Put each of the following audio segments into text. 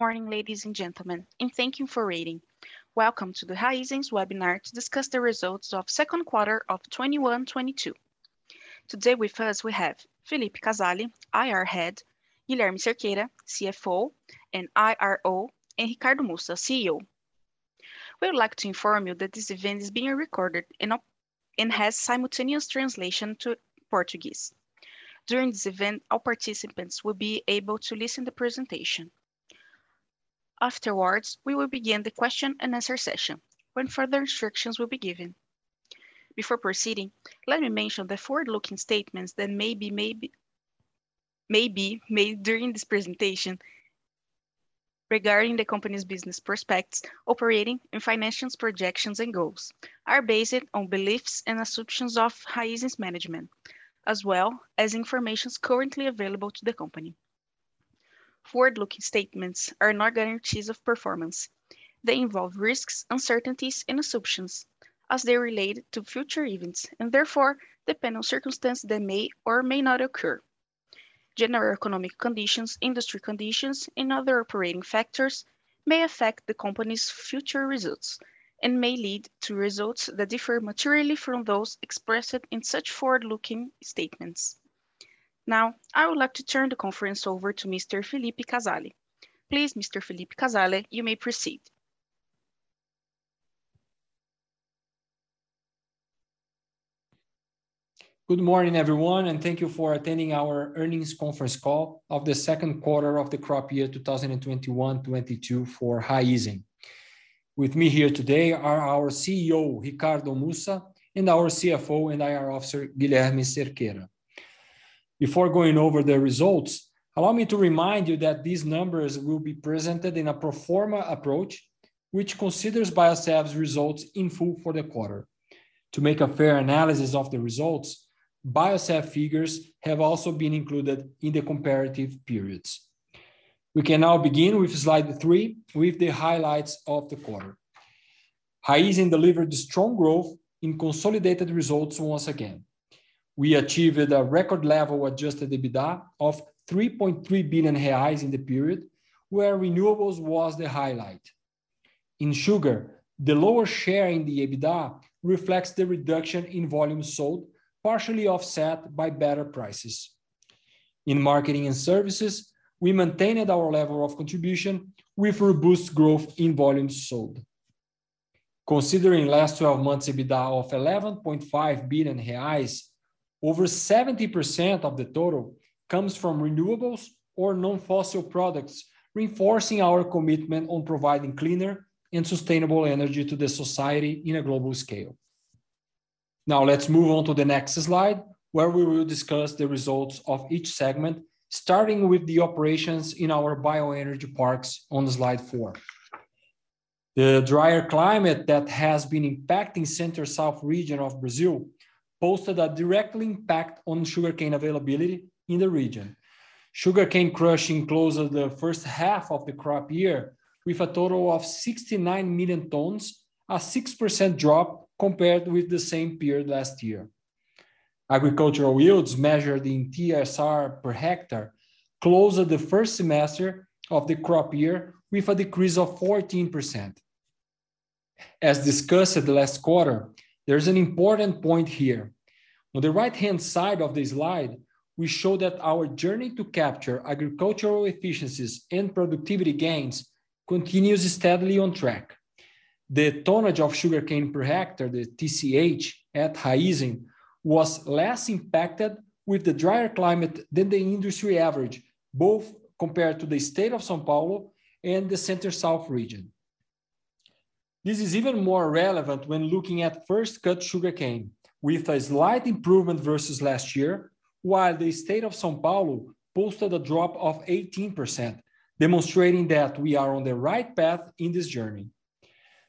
Morning, ladies and gentlemen, and thank you for waiting. Welcome to the Raízen's webinar to discuss the results of second quarter of 2021/2022. Today with us we have Phillipe Casale, IR Head, Guilherme Cerqueira, CFO and IRO, and Ricardo Mussa, CEO. We would like to inform you that this event is being recorded and has simultaneous translation to Portuguese. During this event, all participants will be able to listen to presentation. Afterwards, we will begin the question and answer session when further instructions will be given. Before proceeding, let me mention the forward-looking statements that may be made during this presentation regarding the company's business prospects, operating and financial projections and goals are based on beliefs and assumptions of Raízen's management, as well as information currently available to the company. Forward-looking statements are not guarantees of performance. They involve risks, uncertainties and assumptions as they relate to future events, and therefore depend on circumstances that may or may not occur. General economic conditions, industry conditions, and other operating factors may affect the company's future results and may lead to results that differ materially from those expressed in such forward-looking statements. Now, I would like to turn the conference over to Mr. Phillipe Casale. Please Mr. Phillipe Casale, you may proceed. Good morning, everyone, and thank you for attending our earnings conference call of the second quarter of the crop year 2021/2022 for Raízen. With me here today are our CEO, Ricardo Mussa, and our CFO and IR Officer, Guilherme Cerqueira. Before going over the results, allow me to remind you that these numbers will be presented in a pro forma approach which considers Biosev's results in full for the quarter. To make a fair analysis of the results, Biosev figures have also been included in the comparative periods. We can now begin with slide three with the highlights of the quarter. Raízen delivered strong growth in consolidated results once again. We achieved a record level Adjusted EBITDA of 3.3 billion reais in the period, where renewables was the highlight. In sugar, the lower share in the EBITDA reflects the reduction in volume sold, partially offset by better prices. In marketing and services, we maintained our level of contribution with robust growth in volumes sold. Considering last 12 months EBITDA of 11.5 billion reais, over 70% of the total comes from renewables or non-fossil products, reinforcing our commitment on providing cleaner and sustainable energy to the society in a global scale. Now let's move on to the next slide, where we will discuss the results of each segment, starting with the operations in our bioenergy parks on slide four. The drier climate that has been impacting Center-South region of Brazil posted a direct impact on sugarcane availability in the region. Sugarcane crushing closed the first half of the crop year with a total of 69 million tons, a 6% drop compared with the same period last year. Agricultural yields measured in TSR per hectare closed the first semester of the crop year with a decrease of 14%. As discussed last quarter, there is an important point here. On the right-hand side of the slide, we show that our journey to capture agricultural efficiencies and productivity gains continues steadily on track. The tonnage of sugarcane per hectare, the TCH, at Raízen was less impacted with the drier climate than the industry average, both compared to the state of São Paulo and the Center-South region. This is even more relevant when looking at first cut sugarcane with a slight improvement versus last year, while the state of São Paulo posted a drop of 18%, demonstrating that we are on the right path in this journey.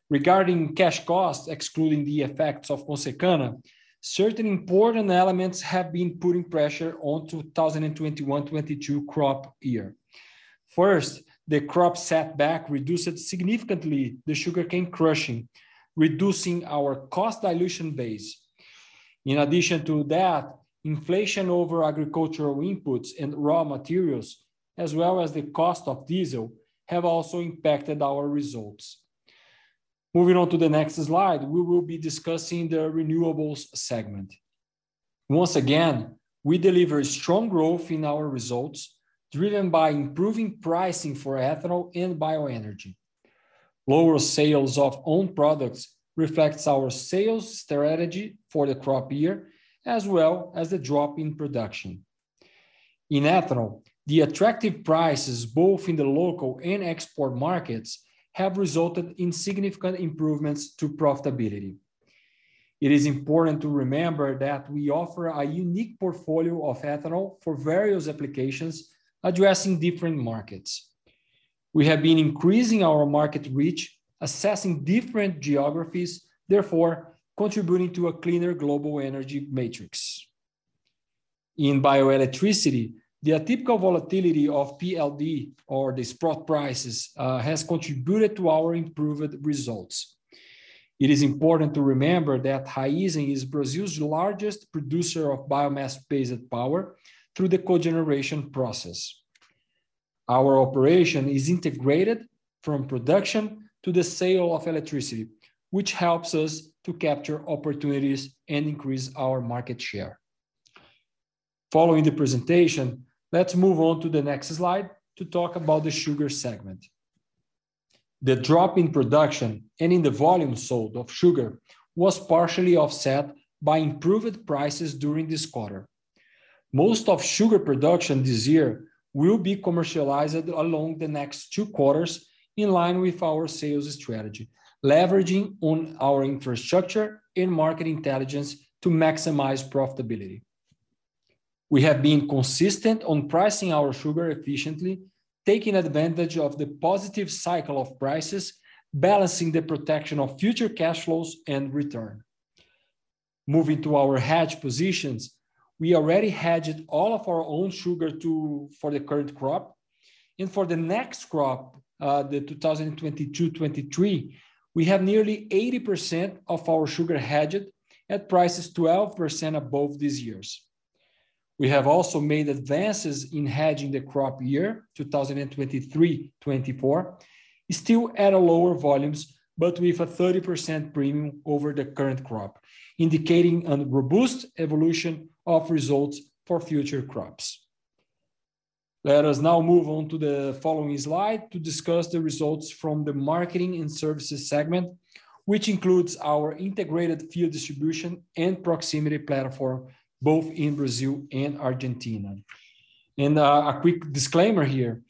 Regarding cash costs, excluding the effects of Consecana, certain important elements have been putting pressure on 2021/2022 crop year. First, the crop setback reduced significantly the sugarcane crushing, reducing our cost dilution base. In addition to that, inflation over agricultural inputs and raw materials, as well as the cost of diesel, have also impacted our results. Moving on to the next slide, we will be discussing the renewables segment. Once again, we deliver strong growth in our results driven by improving pricing for ethanol and bioenergy. Lower sales of own products reflects our sales strategy for the crop year, as well as the drop in production. In ethanol, the attractive prices both in the local and export markets have resulted in significant improvements to profitability. It is important to remember that we offer a unique portfolio of ethanol for various applications addressing different markets. We have been increasing our market reach, assessing different geographies, therefore contributing to a cleaner global energy matrix. In bioelectricity, the atypical volatility of PLD or the spot prices has contributed to our improved results. It is important to remember that Raízen is Brazil's largest producer of biomass-based power through the cogeneration process. Our operation is integrated from production to the sale of electricity, which helps us to capture opportunities and increase our market share. Following the presentation, let's move on to the next slide to talk about the sugar segment. The drop in production and in the volume sold of sugar was partially offset by improved prices during this quarter. Most of sugar production this year will be commercialized along the next two quarters in line with our sales strategy, leveraging on our infrastructure and market intelligence to maximize profitability. We have been consistent on pricing our sugar efficiently, taking advantage of the positive cycle of prices, balancing the protection of future cash flows and return. Moving to our hedge positions, we already hedged all of our own sugar for the current crop. For the next crop, the 2022/2023, we have nearly 80% of our sugar hedged at prices 12% above this year's. We have also made advances in hedging the crop year 2023/2024, still at a lower volume but with a 30% premium over the current crop, indicating a robust evolution of results for future crops. Let us now move on to the following slide to discuss the results from the marketing and services segment, which includes our integrated fuel distribution and proximity platform, both in Brazil and Argentina. A quick disclaimer here,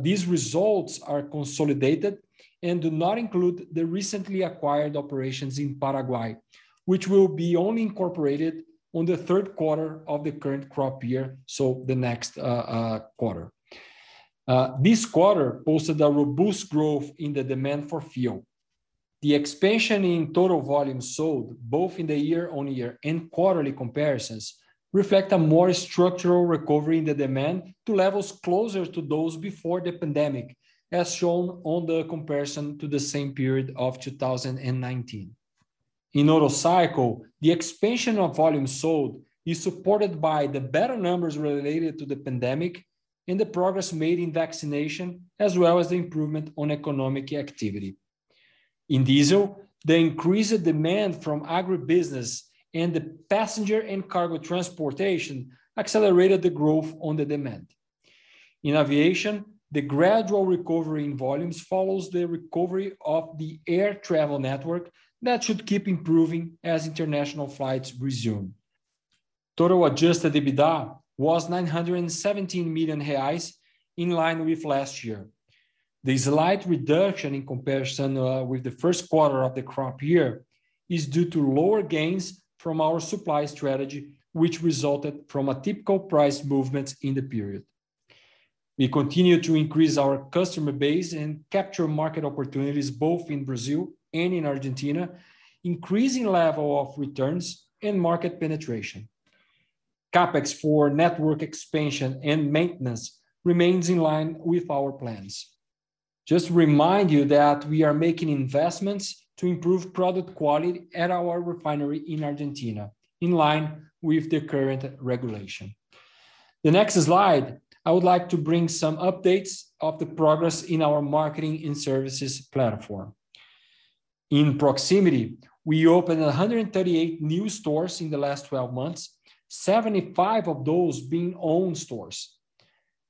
these results are consolidated and do not include the recently acquired operations in Paraguay, which will be only incorporated on the third quarter of the current crop year, so the next quarter. This quarter posted a robust growth in the demand for fuel. The expansion in total volume sold, both in the year-over-year and quarterly comparisons, reflect a more structural recovery in the demand to levels closer to those before the pandemic, as shown on the comparison to the same period of 2019. In Otto cycle, the expansion of volume sold is supported by the better numbers related to the pandemic and the progress made in vaccination, as well as the improvement on economic activity. In diesel, the increased demand from agribusiness and the passenger and cargo transportation accelerated the growth on the demand. In aviation, the gradual recovery in volumes follows the recovery of the air travel network that should keep improving as international flights resume. Total Adjusted EBITDA was 917 million reais, in line with last year. The slight reduction in comparison with the first quarter of the crop year is due to lower gains from our supply strategy, which resulted from a typical price movement in the period. We continue to increase our customer base and capture market opportunities both in Brazil and in Argentina, increasing level of returns and market penetration. CapEx for network expansion and maintenance remains in line with our plans. Just remind you that we are making investments to improve product quality at our refinery in Argentina, in line with the current regulation. The next slide, I would like to bring some updates of the progress in our marketing and services platform. In proximity, we opened 138 new stores in the last 12 months, 75 of those being owned stores.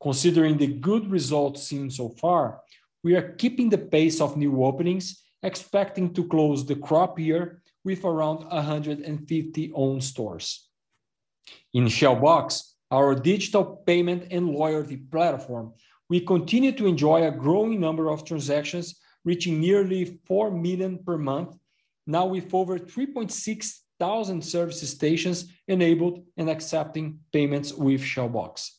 Considering the good results seen so far, we are keeping the pace of new openings, expecting to close the crop year with around 150 owned stores. In Shell Box, our digital payment and loyalty platform, we continue to enjoy a growing number of transactions, reaching nearly 4 million per month, now with over 3,600 service stations enabled and accepting payments with Shell Box.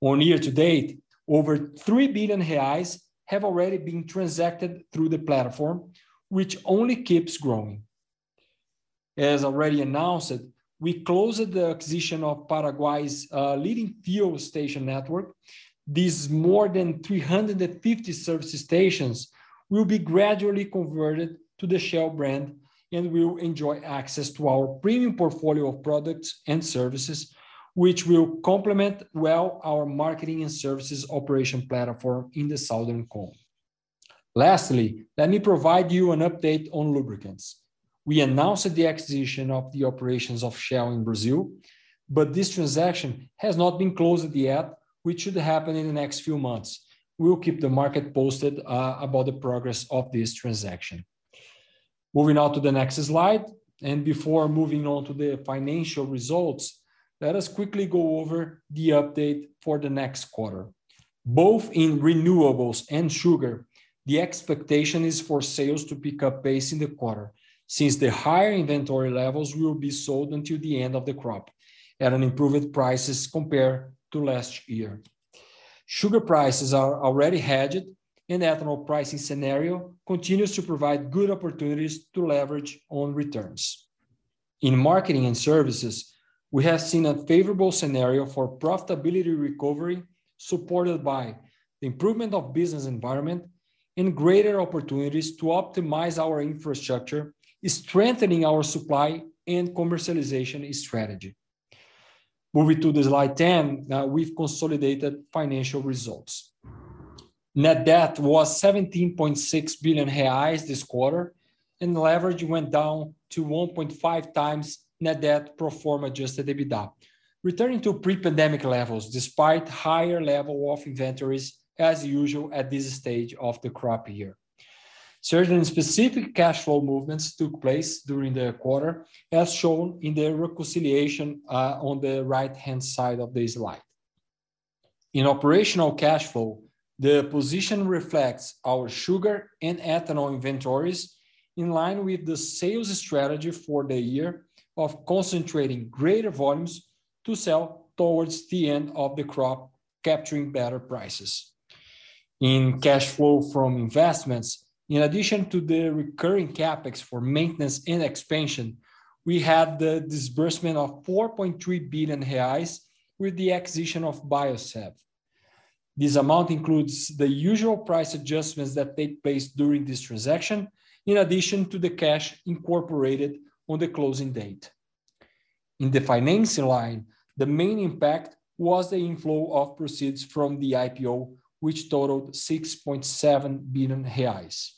year-to-date, over 3 billion reais have already been transacted through the platform, which only keeps growing. As already announced, we closed the acquisition of Paraguay's leading fuel station network. These more than 350 service stations will be gradually converted to the Shell brand and will enjoy access to our premium portfolio of products and services, which will complement well our marketing and services operation platform in the Southern Cone. Lastly, let me provide you an update on lubricants. We announced the acquisition of the operations of Shell in Brazil, but this transaction has not been closed yet, which should happen in the next few months. We'll keep the market posted about the progress of this transaction. Moving on to the next slide, and before moving on to the financial results, let us quickly go over the update for the next quarter. Both in renewables and sugar, the expectation is for sales to pick up pace in the quarter, since the higher inventory levels will be sold until the end of the crop at an improved prices compared to last year. Sugar prices are already hedged, and ethanol pricing scenario continues to provide good opportunities to leverage on returns. In marketing and services, we have seen a favorable scenario for profitability recovery, supported by the improvement of business environment and greater opportunities to optimize our infrastructure, strengthening our supply and commercialization strategy. Moving to the slide 10, now we've consolidated financial results. Net debt was 17.6 billion reais this quarter, and leverage went down to 1.5x net debt pro forma Adjusted EBITDA, returning to pre-pandemic levels despite higher level of inventories as usual at this stage of the crop year. Certain specific cash flow movements took place during the quarter, as shown in the reconciliation on the right-hand side of the slide. In operational cash flow, the position reflects our sugar and ethanol inventories in line with the sales strategy for the year of concentrating greater volumes to sell towards the end of the crop, capturing better prices. In cash flow from investments, in addition to the recurring CapEx for maintenance and expansion, we had the disbursement of 4.3 billion reais with the acquisition of Biosev. This amount includes the usual price adjustments that take place during this transaction, in addition to the cash incorporated on the closing date. In the financing line, the main impact was the inflow of proceeds from the IPO, which totaled 6.7 billion reais.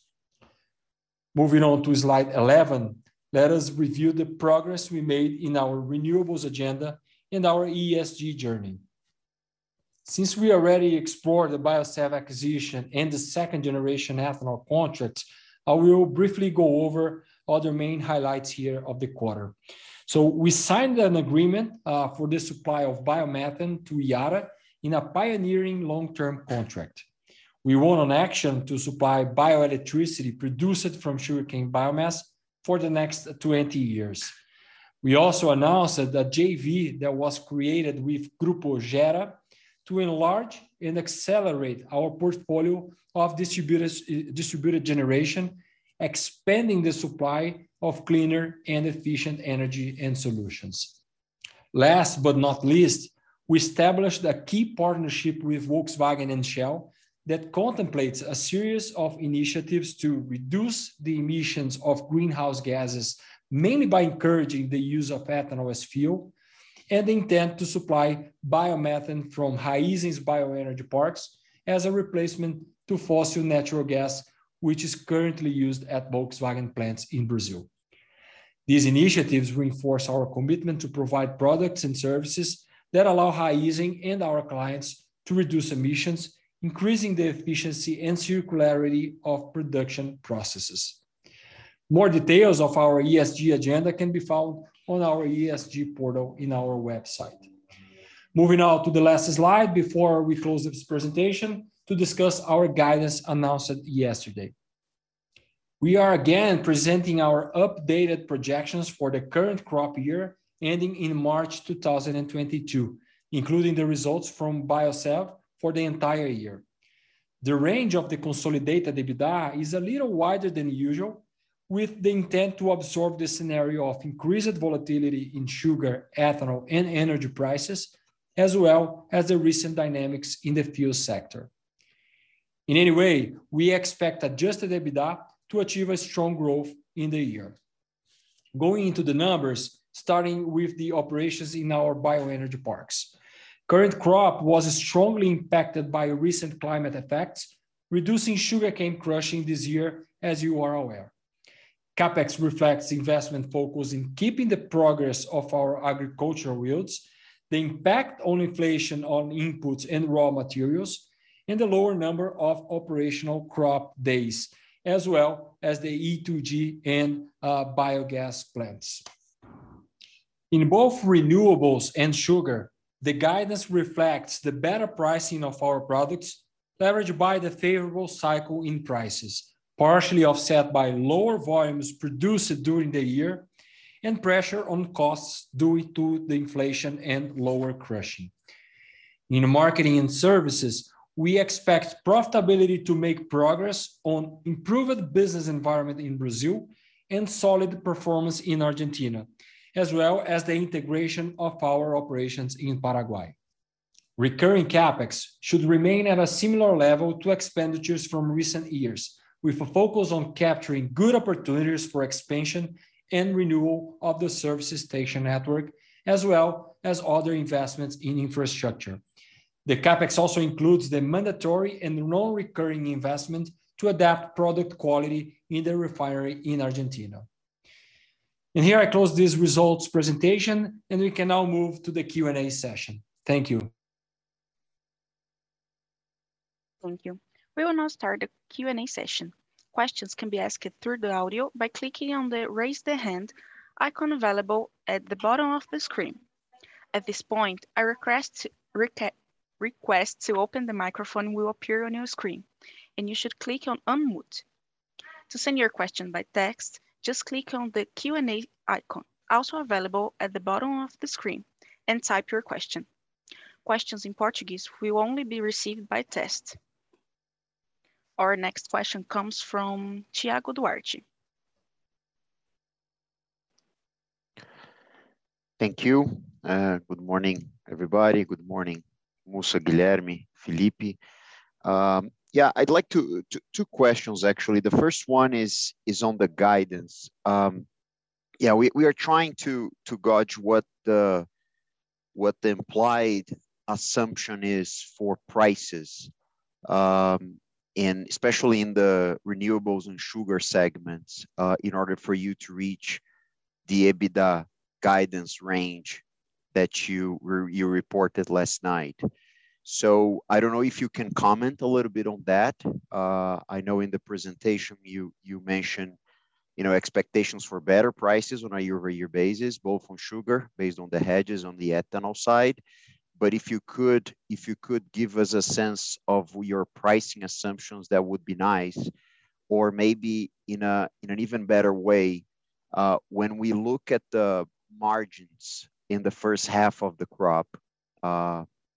Moving on to slide 11, let us review the progress we made in our renewables agenda and our ESG journey. Since we already explored the Biosev acquisition and the Second-Generation Ethanol contract, I will briefly go over other main highlights here of the quarter. We signed an agreement for the supply of Biomethane to Yara in a pioneering long-term contract. We won an action to supply bioelectricity produced from sugarcane biomass for the next 20 years. We also announced that the JV that was created with Grupo Gera to enlarge and accelerate our portfolio of distributors, distributed generation, expanding the supply of cleaner and efficient energy and solutions. Last but not least, we established a key partnership with Volkswagen and Shell that contemplates a series of initiatives to reduce the emissions of greenhouse gases, mainly by encouraging the use of ethanol as fuel and the intent to supply Biomethane from Raízen's bioenergy parks as a replacement to fossil natural gas, which is currently used at Volkswagen plants in Brazil. These initiatives reinforce our commitment to provide products and services that allow Raízen and our clients to reduce emissions, increasing the efficiency and circularity of production processes. More details of our ESG agenda can be found on our ESG portal in our website. Moving on to the last slide before we close this presentation to discuss our guidance announced yesterday. We are again presenting our updated projections for the current crop year ending in March 2022, including the results from Biosev for the entire year. The range of the consolidated EBITDA is a little wider than usual, with the intent to absorb the scenario of increased volatility in sugar, ethanol, and energy prices, as well as the recent dynamics in the fuel sector. In any way, we expect Adjusted EBITDA to achieve a strong growth in the year. Going into the numbers, starting with the operations in our bioenergy parks. Current crop was strongly impacted by recent climate effects, reducing sugarcane crushing this year, as you are aware. CapEx reflects investment focus in keeping the progress of our agricultural yields, the impact of inflation on inputs and raw materials, and the lower number of operational crop days, as well as the E2G and biogas plants. In both renewables and sugar, the guidance reflects the better pricing of our products, leveraged by the favorable cycle in prices, partially offset by lower volumes produced during the year and pressure on costs due to the inflation and lower crushing. In marketing and services, we expect profitability to make progress on improved business environment in Brazil and solid performance in Argentina, as well as the integration of our operations in Paraguay. Recurring CapEx should remain at a similar level to expenditures from recent years, with a focus on capturing good opportunities for expansion and renewal of the services station network, as well as other investments in infrastructure. The CapEx also includes the mandatory and non-recurring investment to adapt product quality in the refinery in Argentina. Here I close this results presentation, and we can now move to the Q&A session. Thank you. Thank you. We will now start the Q&A session. Questions can be asked through the audio by clicking on the Raise the Hand icon available at the bottom of the screen. At this point, a request to open the microphone will appear on your screen, and you should click on Unmute. To send your question by text, just click on the Q&A icon, also available at the bottom of the screen, and type your question. Questions in Portuguese will only be received by text. Our next question comes from Thiago Duarte. Thank you. Good morning, everybody. Good morning, Mussa, Guilherme, Phillipe. Yeah, I'd like to ask two questions actually. The first one is on the guidance. Yeah, we are trying to gauge what the implied assumption is for prices, especially in the renewables and sugar segments, in order for you to reach the EBITDA guidance range that you reported last night. So I don't know if you can comment a little bit on that. I know in the presentation you mentioned, you know, expectations for better prices on a year-over-year basis, both on sugar based on the hedges on the ethanol side. If you could give us a sense of your pricing assumptions, that would be nice. Maybe in an even better way, when we look at the margins in the first half of the crop,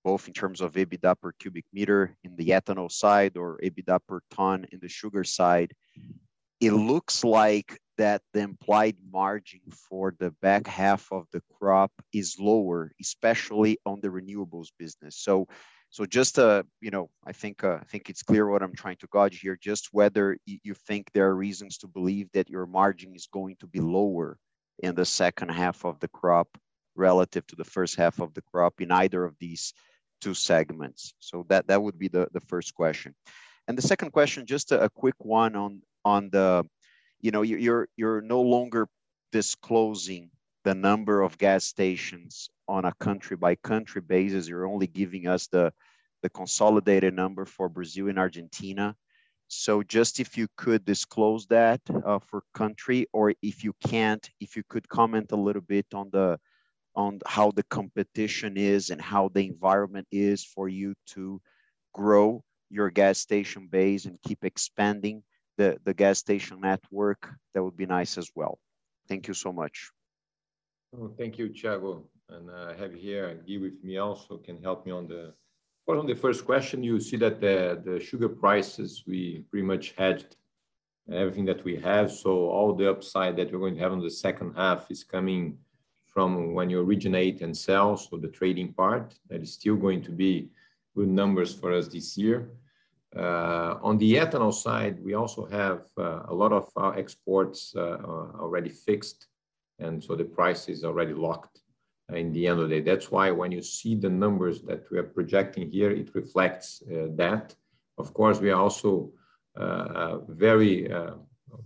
both in terms of EBITDA per cubic meter in the ethanol side or EBITDA per ton in the sugar side, it looks like that the implied margin for the back half of the crop is lower, especially on the renewables business. Just to, you know, I think, I think it's clear what I'm trying to gauge here, just whether you think there are reasons to believe that your margin is going to be lower in the second half of the crop relative to the first half of the crop in either of these two segments. That would be the first question. The second question, just a quick one on the... You know, you're no longer disclosing the number of gas stations on a country-by-country basis. You're only giving us the consolidated number for Brazil and Argentina. Just if you could disclose that for country, or if you can't, if you could comment a little bit on how the competition is and how the environment is for you to grow your gas station base and keep expanding the gas station network, that would be nice as well. Thank you so much. Oh, thank you, Thiago. I have here Gui with me also can help me on the. Well, on the first question, you see that the sugar prices, we pretty much hedged everything that we have. All the upside that we're going to have on the second half is coming from when you originate and sell, so the trading part. That is still going to be good numbers for us this year. On the ethanol side, we also have a lot of exports already fixed, and the price is already locked in the end of the day. That's why when you see the numbers that we are projecting here, it reflects that. Of course, we are also very,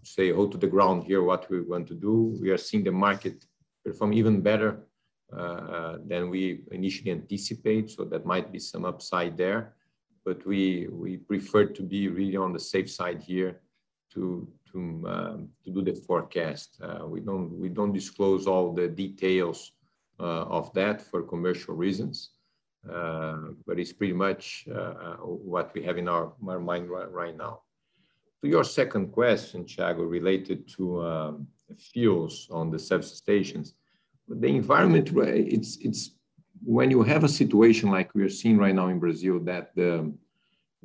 say, hold to the ground here what we want to do. We are seeing the market perform even better than we initially anticipate, so there might be some upside there. We prefer to be really on the safe side here to do the forecast. We don't disclose all the details of that for commercial reasons, but it's pretty much what we have in our mind right now. To your second question, Thiago, related to fuels on the service stations. The environment where it's. When you have a situation like we are seeing right now in Brazil that the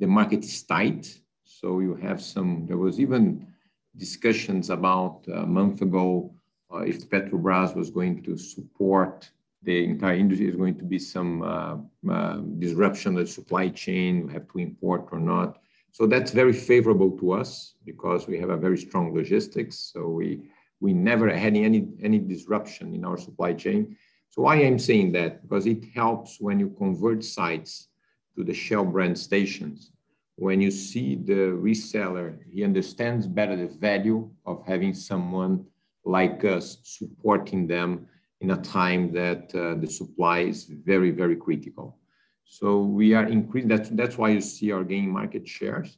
market is tight, so you have some. There was even discussions about, a month ago, if Petrobras was going to support the entire industry, is going to be some disruption of the supply chain. We have to import or not. That's very favorable to us because we have a very strong logistics, so we never had any disruption in our supply chain. Why I'm saying that? Because it helps when you convert sites to the Shell brand stations. When you see the reseller, he understands better the value of having someone like us supporting them in a time that the supply is very, very critical. We are increasing. That's why you see our gaining market shares.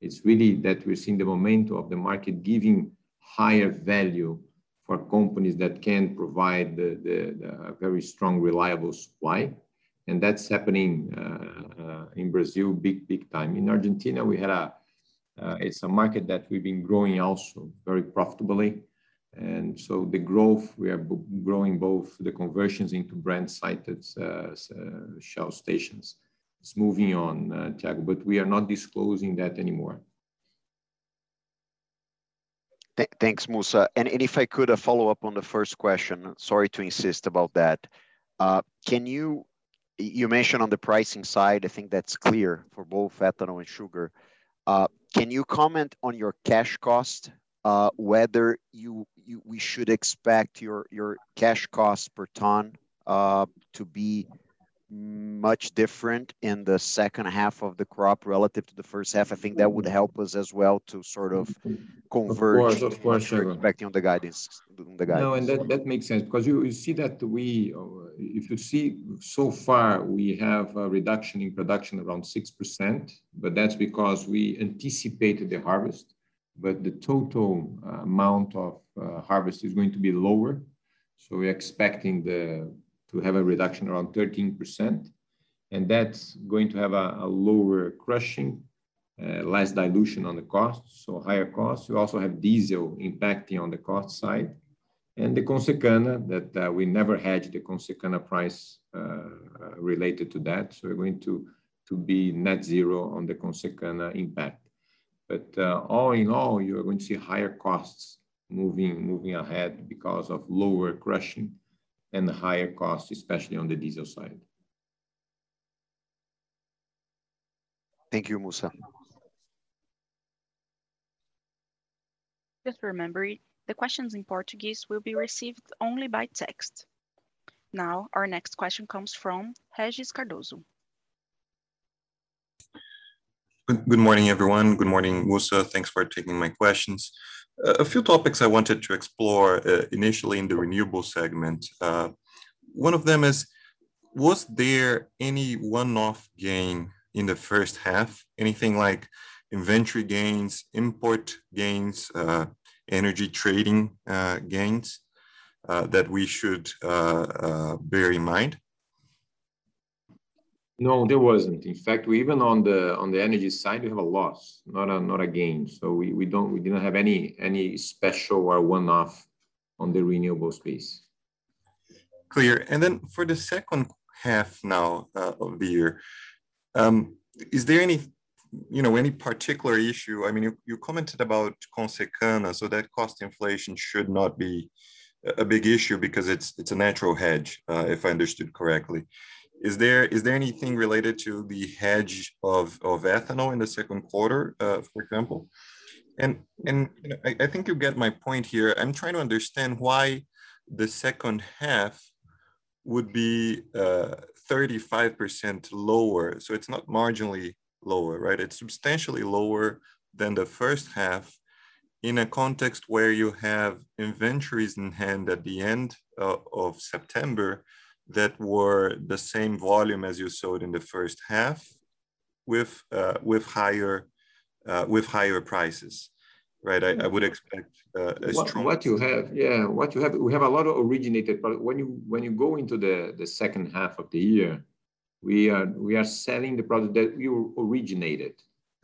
It's really that we're seeing the momentum of the market giving higher value for companies that can provide the very strong, reliable supply, and that's happening in Brazil big, big time. In Argentina, it's a market that we've been growing also very profitably. The growth, we are growing both the conversions into brand sites as Shell stations. It's moving on, Thiago, but we are not disclosing that anymore. Thanks, Mussa. If I could follow up on the first question. Sorry to insist about that. Can you... You mentioned on the pricing side, I think that's clear for both ethanol and sugar. Can you comment on your cash cost, whether we should expect your cash cost per ton to be much different in the second half of the crop relative to the first half? I think that would help us as well to sort of converge. Of course, Thiago. on what you're expecting on the guidance. No, that makes sense because you see that we are. If you see so far, we have a reduction in production around 6%, but that's because we anticipated the harvest. The total amount of harvest is going to be lower, so we're expecting to have a reduction around 13%, and that's going to have a lower crushing, less dilution on the costs, so higher costs. We also have diesel impacting on the cost side. The Consecana that we never had the Consecana price related to that. We're going to be net zero on the Consecana impact. All in all, you are going to see higher costs moving ahead because of lower crushing and the higher cost, especially on the diesel side. Thank you, Mussa. Just remember, the questions in Portuguese will be received only by text. Now, our next question comes from Regis Cardoso. Good morning, everyone. Good morning, Mussa. Thanks for taking my questions. A few topics I wanted to explore initially in the renewable segment. One of them is, was there any one-off gain in the first half? Anything like inventory gains, import gains, energy trading gains that we should bear in mind? No, there wasn't. In fact, we even on the energy side, we have a loss, not a gain. We didn't have any special or one-off on the renewable space. Clear. For the second half now of the year, is there any, you know, any particular issue? I mean, you commented about Consecana, so that cost inflation should not be a big issue because it's a natural hedge, if I understood correctly. Is there anything related to the hedge of ethanol in the second quarter, for example? You know, I think you get my point here. I'm trying to understand why the second half would be 35% lower. It's not marginally lower, right? It's substantially lower than the first half in a context where you have inventories in hand at the end of September that were the same volume as you sold in the first half with higher prices, right? I would expect a strong We have a lot of originated product. When you go into the second half of the year, we are selling the product that we originated.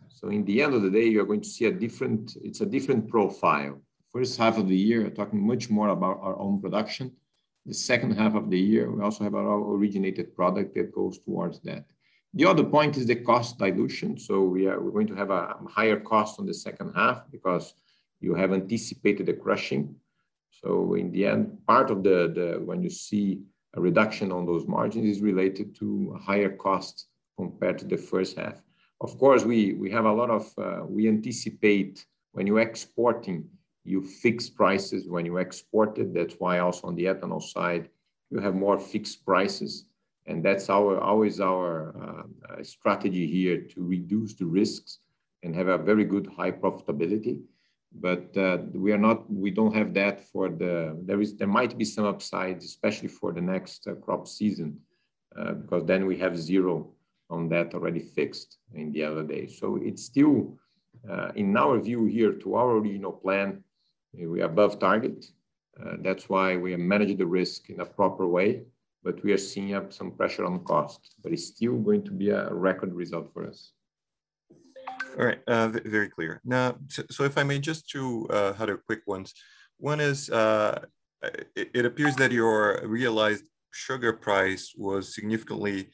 So in the end of the day, you're going to see a different profile. It's a different profile. First half of the year talking much more about our own production. The second half of the year, we also have our own originated product that goes towards that. The other point is the cost dilution. We're going to have a higher cost on the second half because you have anticipated the crushing. So in the end, part of the reduction on those margins is related to higher costs compared to the first half. Of course, we have a lot of... We anticipate when you're exporting, you fix prices when you exported. That's why also on the ethanol side, you have more fixed prices. That's always our strategy here to reduce the risks and have a very good, high profitability. We don't have that. There might be some upside, especially for the next crop season, because then we have zero on that already fixed in the other day. It's still, in our view, adhering to our original plan, we are above target. That's why we manage the risk in a proper way, but we are seeing some upward pressure on cost, but it's still going to be a record result for us. All right. Very clear. Now, if I may just two other quick ones. One is, it appears that your realized sugar price was significantly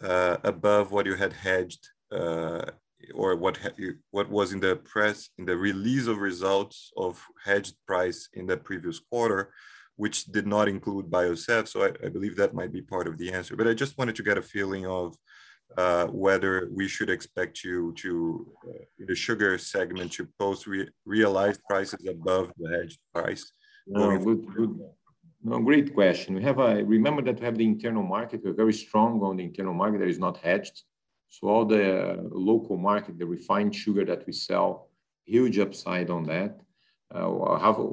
above what you had hedged or what was in the press release of results of hedged price in the previous quarter, which did not include Biosev. I believe that might be part of the answer. I just wanted to get a feeling of whether we should expect you to, in the sugar segment, to post realized prices above the hedged price going forward. No, great question. Remember that we have the internal market. We're very strong on the internal market that is not hedged. All the local market, the refined sugar that we sell, huge upside on that.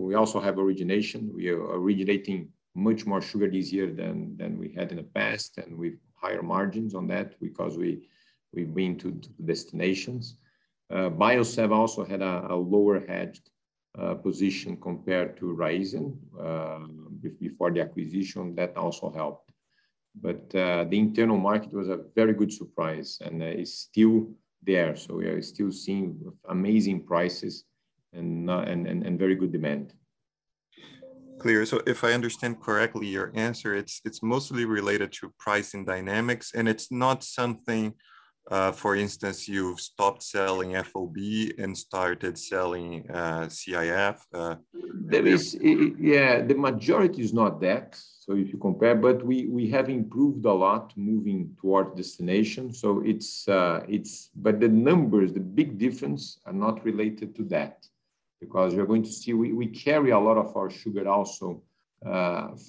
We also have origination. We are originating much more sugar this year than we had in the past, and we've higher margins on that because we've been to the destinations. Biosev also had a lower hedged position compared to Raízen before the acquisition. That also helped. The internal market was a very good surprise, and it's still there. We are still seeing amazing prices and very good demand. Clear. If I understand correctly, your answer, it's mostly related to pricing dynamics, and it's not something, for instance, you've stopped selling FOB and started selling CIF instead. Yeah, the majority is not that, so if you compare, but we have improved a lot moving toward destination. The numbers, the big difference are not related to that because you're going to see we carry a lot of our sugar also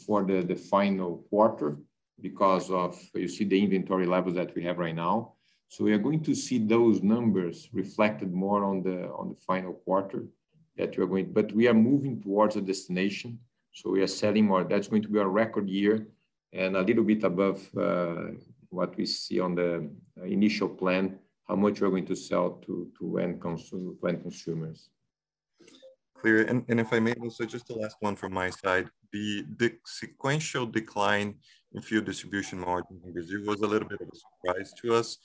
for the final quarter because of you see the inventory levels that we have right now. We are going to see those numbers reflected more on the final quarter that we are going. We are moving towards a destination, so we are selling more. That's going to be our record year and a little bit above what we see on the initial plan, how much we are going to sell to end consumers. Clear. If I may also, just the last one from my side. The sequential decline in fuel distribution margin in Brazil was a little bit of a surprise to us.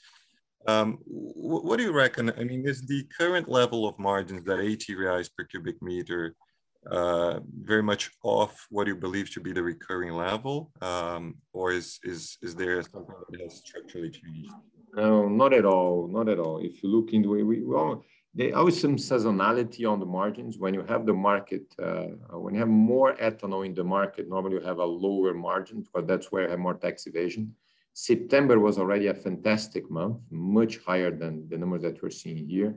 What do you reckon, I mean, is the current level of margins, the 80 reais per cubic meter, very much off what you believe to be the recurring level, or is there something else structurally changed? No, not at all. Not at all. Well, there are always some seasonality on the margins. When you have the market, when you have more ethanol in the market, normally you have a lower margin, but that's where you have more tax evasion. September was already a fantastic month, much higher than the numbers that we're seeing here.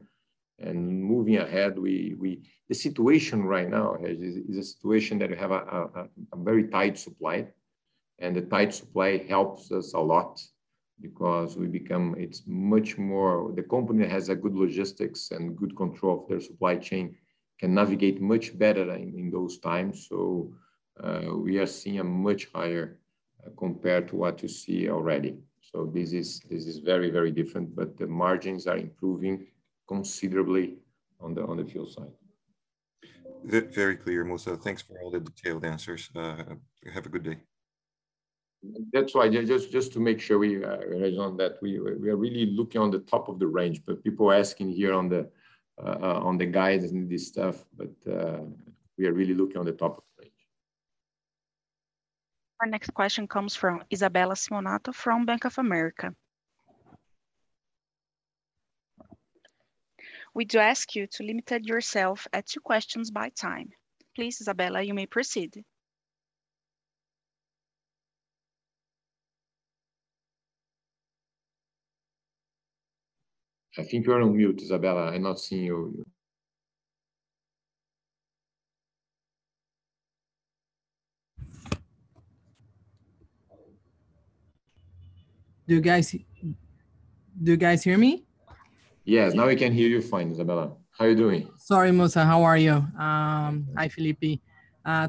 Moving ahead, the situation right now is a situation that we have a very tight supply, and the tight supply helps us a lot because it's much more. The company has good logistics and good control of their supply chain, can navigate much better in those times. We are seeing a much higher compared to what you see already. This is very, very different, but the margins are improving considerably on the fuel side. Very clear, Mussa. Thanks for all the detailed answers. Have a good day. That's why. Just to make sure we understand that we are really looking on the top of the range. People are asking here on the guides and this stuff, but we are really looking on the top of the range. Our next question comes from Isabella Simonato from Bank of America. We do ask you to limit yourself to two questions at a time. Please, Isabella, you may proceed. I think you're on mute, Isabella. I'm not seeing you. Do you guys hear me? Yes. Now we can hear you fine, Isabella. How are you doing? Sorry, Mussa. How are you? Hi, Phillipe.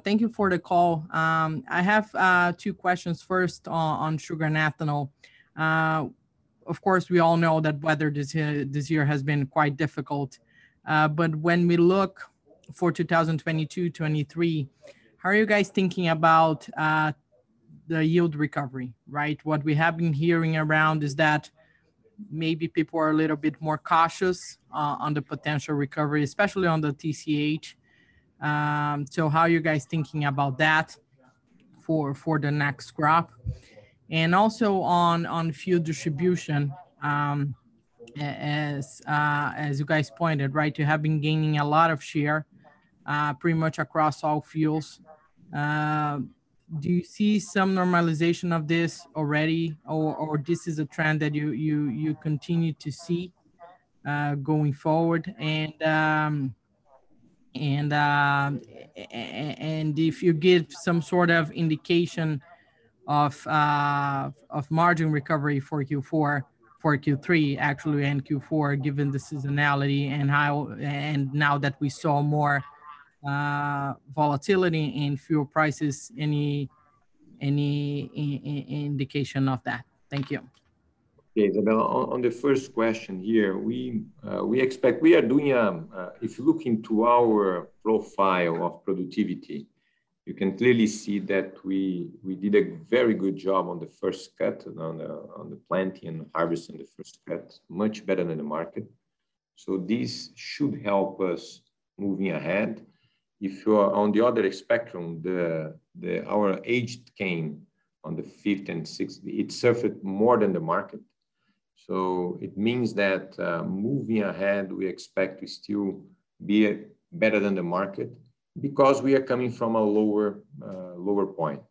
Thank you for the call. I have two questions, first on sugar and ethanol. Of course, we all know that weather this year has been quite difficult, but when we look for 2022/2023, how are you guys thinking about the yield recovery? Right. What we have been hearing around is that maybe people are a little bit more cautious on the potential recovery, especially on the TCH. So how are you guys thinking about that for the next crop? And also on fuel distribution, as you guys pointed, right, you have been gaining a lot of share, pretty much across all fuels. Do you see some normalization of this already or this is a trend that you continue to see going forward? If you give some sort of indication of margin recovery for Q4, for Q3 actually, and Q4, given the seasonality and how, and now that we saw more volatility in fuel prices, any indication of that? Thank you. Okay, Isabella, on the first question here, we expect. We are doing, if you look into our profile of productivity, you can clearly see that we did a very good job on the first cut on the planting and harvesting the first cut, much better than the market. This should help us moving ahead. If you are on the other spectrum, our aged cane on the fifth and sixth, it suffered more than the market. It means that, moving ahead, we expect to still be better than the market because we are coming from a lower point.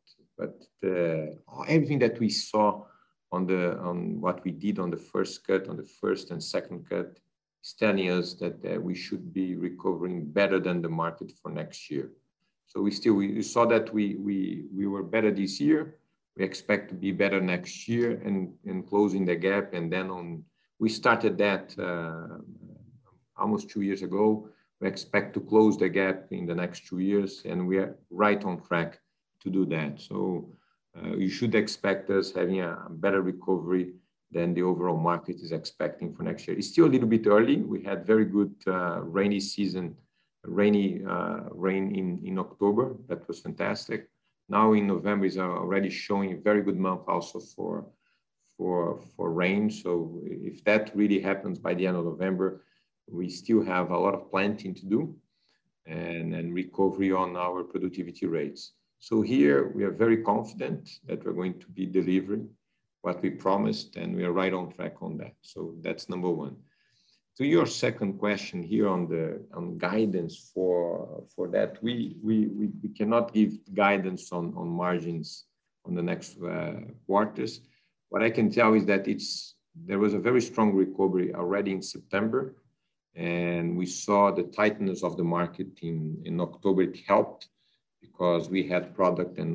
Everything that we saw on what we did on the first cut, on the first and second cut, is telling us that we should be recovering better than the market for next year. We still saw that we were better this year. We expect to be better next year and closing the gap and then on. We started that almost two years ago. We expect to close the gap in the next two years, and we are right on track to do that. You should expect us having a better recovery than the overall market is expecting for next year. It's still a little bit early. We had very good rainy season, rain in October. That was fantastic. Now in November is already showing a very good month also for rain. If that really happens by the end of November, we still have a lot of planting to do and recovery on our productivity rates. Here we are very confident that we're going to be delivering what we promised, and we are right on track on that. That's number one. To your second question here on guidance for that, we cannot give guidance on margins on the next quarters. What I can tell you is that there was a very strong recovery already in September, and we saw the tightness of the market in October. It helped because we had product and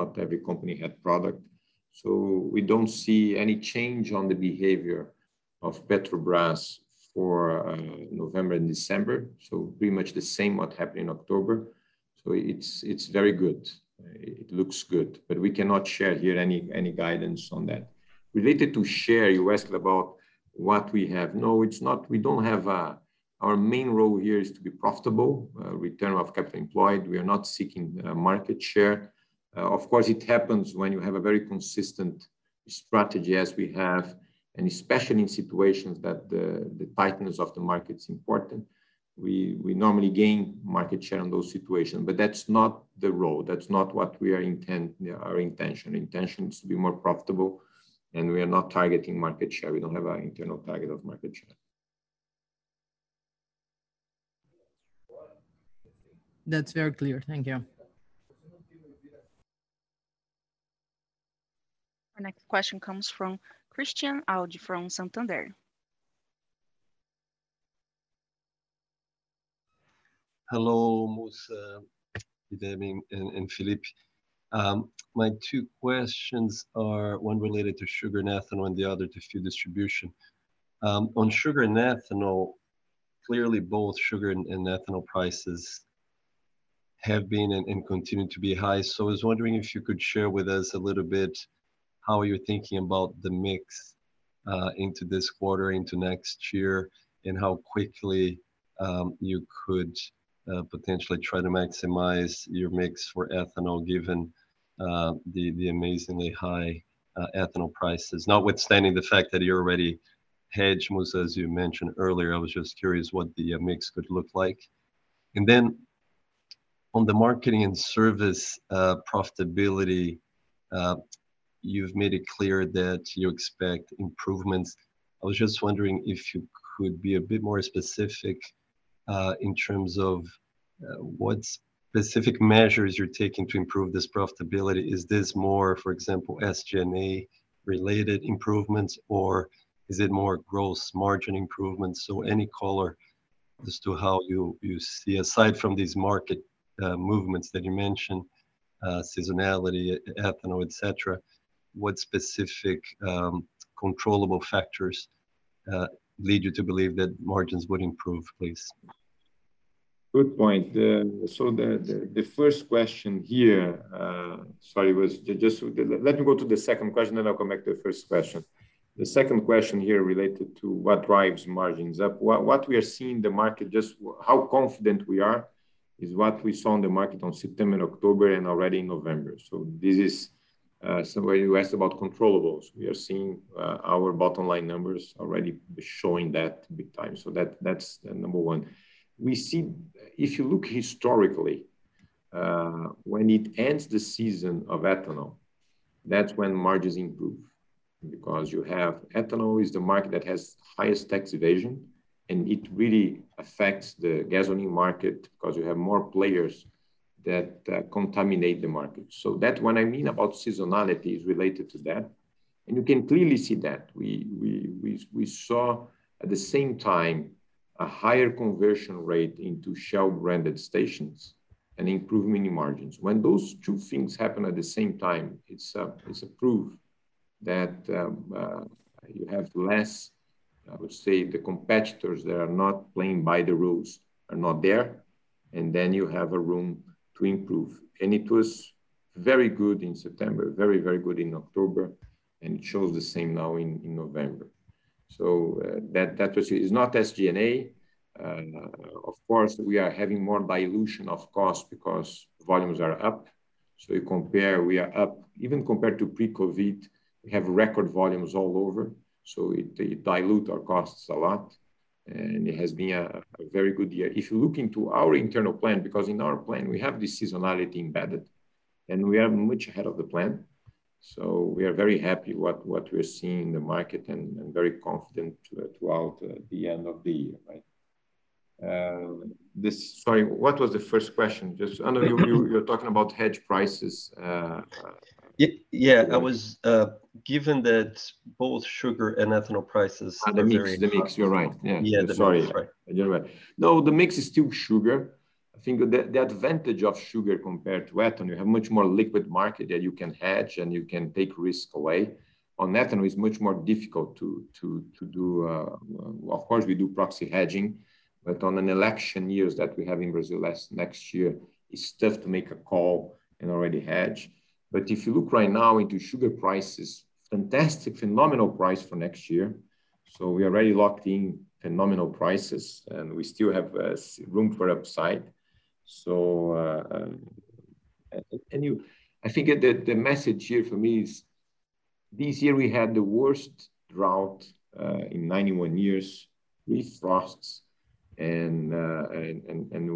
not every company had product. We don't see any change on the behavior of Petrobras for November and December, so pretty much the same what happened in October. It's very good. It looks good, but we cannot share here any guidance on that. Related to share, you asked about what we have. No, it's not. Our main role here is to be profitable, return of capital employed. We are not seeking market share. Of course it happens when you have a very consistent strategy as we have, and especially in situations that the tightness of the market's important. We normally gain market share in those situations, but that's not the role. That's not our intention. Our intention is to be more profitable, and we are not targeting market share. We don't have an internal target of market share. That's very clear. Thank you. Our next question comes from Christian Audi from Santander. Hello, Ricardo Mussa, Guilherme Cerqueira, and Phillipe Casale. My two questions are one related to sugar and ethanol, and the other to fuel distribution. On sugar and ethanol, clearly both sugar and ethanol prices have been and continue to be high. I was wondering if you could share with us a little bit how you're thinking about the mix into this quarter, into next year, and how quickly you could potentially try to maximize your mix for ethanol given the amazingly high ethanol prices. Notwithstanding the fact that you're already hedged, Mussa, as you mentioned earlier. I was just curious what the mix could look like. Then on the marketing and service profitability, you've made it clear that you expect improvements. I was just wondering if you could be a bit more specific, in terms of, what specific measures you're taking to improve this profitability. Is this more, for example, SG&A-related improvements, or is it more gross margin improvements? Any color as to how you see, aside from these market movements that you mentioned, seasonality, ethanol, et cetera, what specific controllable factors lead you to believe that margins would improve, please? Good point. Sorry, let me go to the second question, then I'll come back to the first question. The second question here related to what drives margins up. What we are seeing in the market, just how confident we are is what we saw in the market on September, October, and already November. This is somebody who asked about controllables. We are seeing our bottom line numbers already showing that big time. That's number one. If you look historically, when it ends the season of ethanol, that's when margins improve because you have ethanol is the market that has highest tax evasion, and it really affects the gasoline market because you have more players that contaminate the market. That one I mean about seasonality is related to that. You can clearly see that. We saw at the same time a higher conversion rate into Shell-branded stations and improvement in margins. When those two things happen at the same time, it's a proof that you have less, I would say, the competitors that are not playing by the rules are not there, and then you have a room to improve. It was very good in September, very good in October, and it shows the same now in November. That was. It's not SG&A. Of course, we are having more dilution of cost because volumes are up. You compare, we are up. Even compared to pre-COVID, we have record volumes all over, so it dilute our costs a lot, and it has been a very good year. If you look into our internal plan, because in our plan, we have this seasonality embedded, and we are much ahead of the plan. We are very happy with what we're seeing in the market and very confident throughout the end of the year, right? Sorry, what was the first question? I just know you're talking about hedge prices. Yeah. I was given that both sugar and ethanol prices are very high. The mix. You're right. Yeah. Yeah, the mix. Sorry. You're right. No, the mix is still sugar. I think the advantage of sugar compared to ethanol, you have much more liquid market that you can hedge and you can take risk away. On ethanol, it's much more difficult to do. Of course, we do proxy hedging, but on an election years that we have in Brazil next year, it's tough to make a call and already hedge. If you look right now into sugar prices, fantastic, phenomenal price for next year. We already locked in phenomenal prices, and we still have room for upside. I think the message here for me is this year we had the worst drought in 91 years with frosts and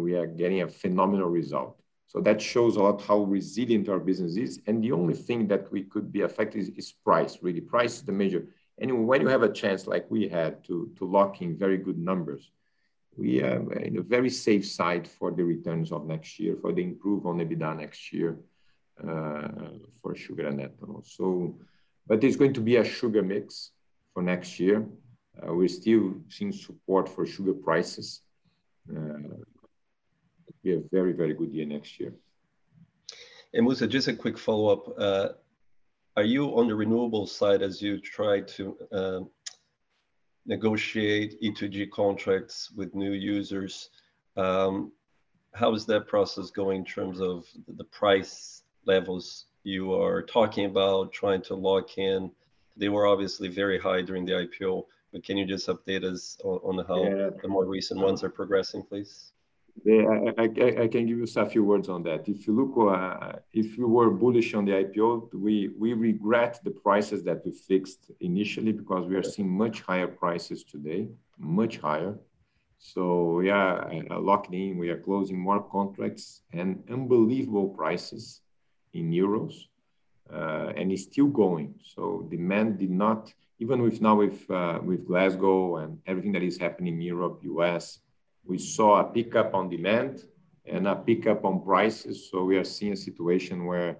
we are getting a phenomenal result. That shows a lot how resilient our business is. The only thing that we could be affected is price, really. Price is the major. When you have a chance like we had to lock in very good numbers, we are in a very safe side for the returns of next year, for the improvement on EBITDA next year, for sugar and ethanol. It's going to be a sugar mix for next year. We're still seeing support for sugar prices. It'll be a very, very good year next year. Mussa, just a quick follow-up. Are you on the renewable side as you try to negotiate E2G contracts with new users? How is that process going in terms of the price levels you are talking about trying to lock in? They were obviously very high during the IPO, but can you just update us on how Yeah The more recent ones are progressing, please? Yeah, I can give you a few words on that. If you look, if you were bullish on the IPO, we regret the prices that we fixed initially, because we are seeing much higher prices today, much higher. Yeah, locking in, we are closing more contracts and unbelievable prices in euros, and it's still going. Demand did not. Even with Glasgow and everything that is happening in Europe, U.S., we saw a pickup on demand and a pickup on prices. We are seeing a situation where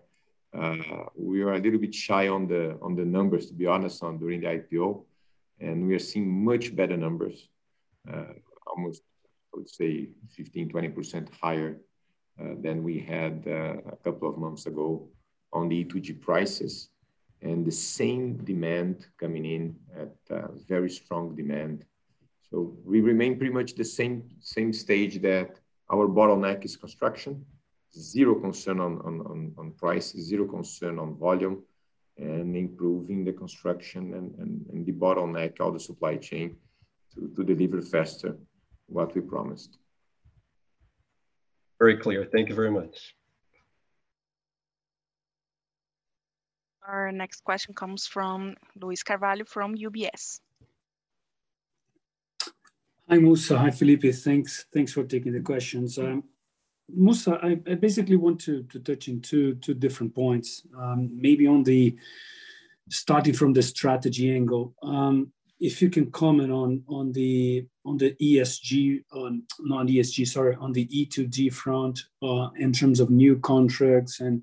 we are a little bit shy on the numbers, to be honest, during the IPO, and we are seeing much better numbers, almost I would say 15%-20% higher than we had a couple of months ago on the E2G prices and the same demand coming in at very strong demand. We remain pretty much the same stage that our bottleneck is construction. Zero concern on price, zero concern on volume and improving the construction and the bottleneck of the supply chain to deliver faster what we promised. Very clear. Thank you very much. Our next question comes from Luiz Carvalho from UBS. Hi, Mussa. Hi, Phillipe. Thanks for taking the questions. Mussa, I basically want to touch into two different points, maybe starting from the strategy angle. If you can comment on the E2G front in terms of new contracts and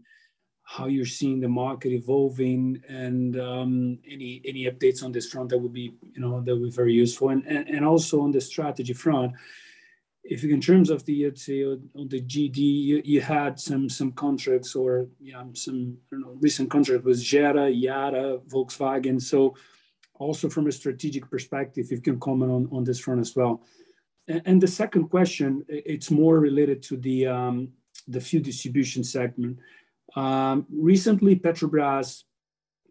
how you're seeing the market evolving and any updates on this front that would be very useful. Also on the strategy front, in terms of the, let's say, on the GD you had some recent contracts with Gera, Yara, Volkswagen. Also from a strategic perspective, if you can comment on this front as well. The second question is more related to the fuel distribution segment. Recently Petrobras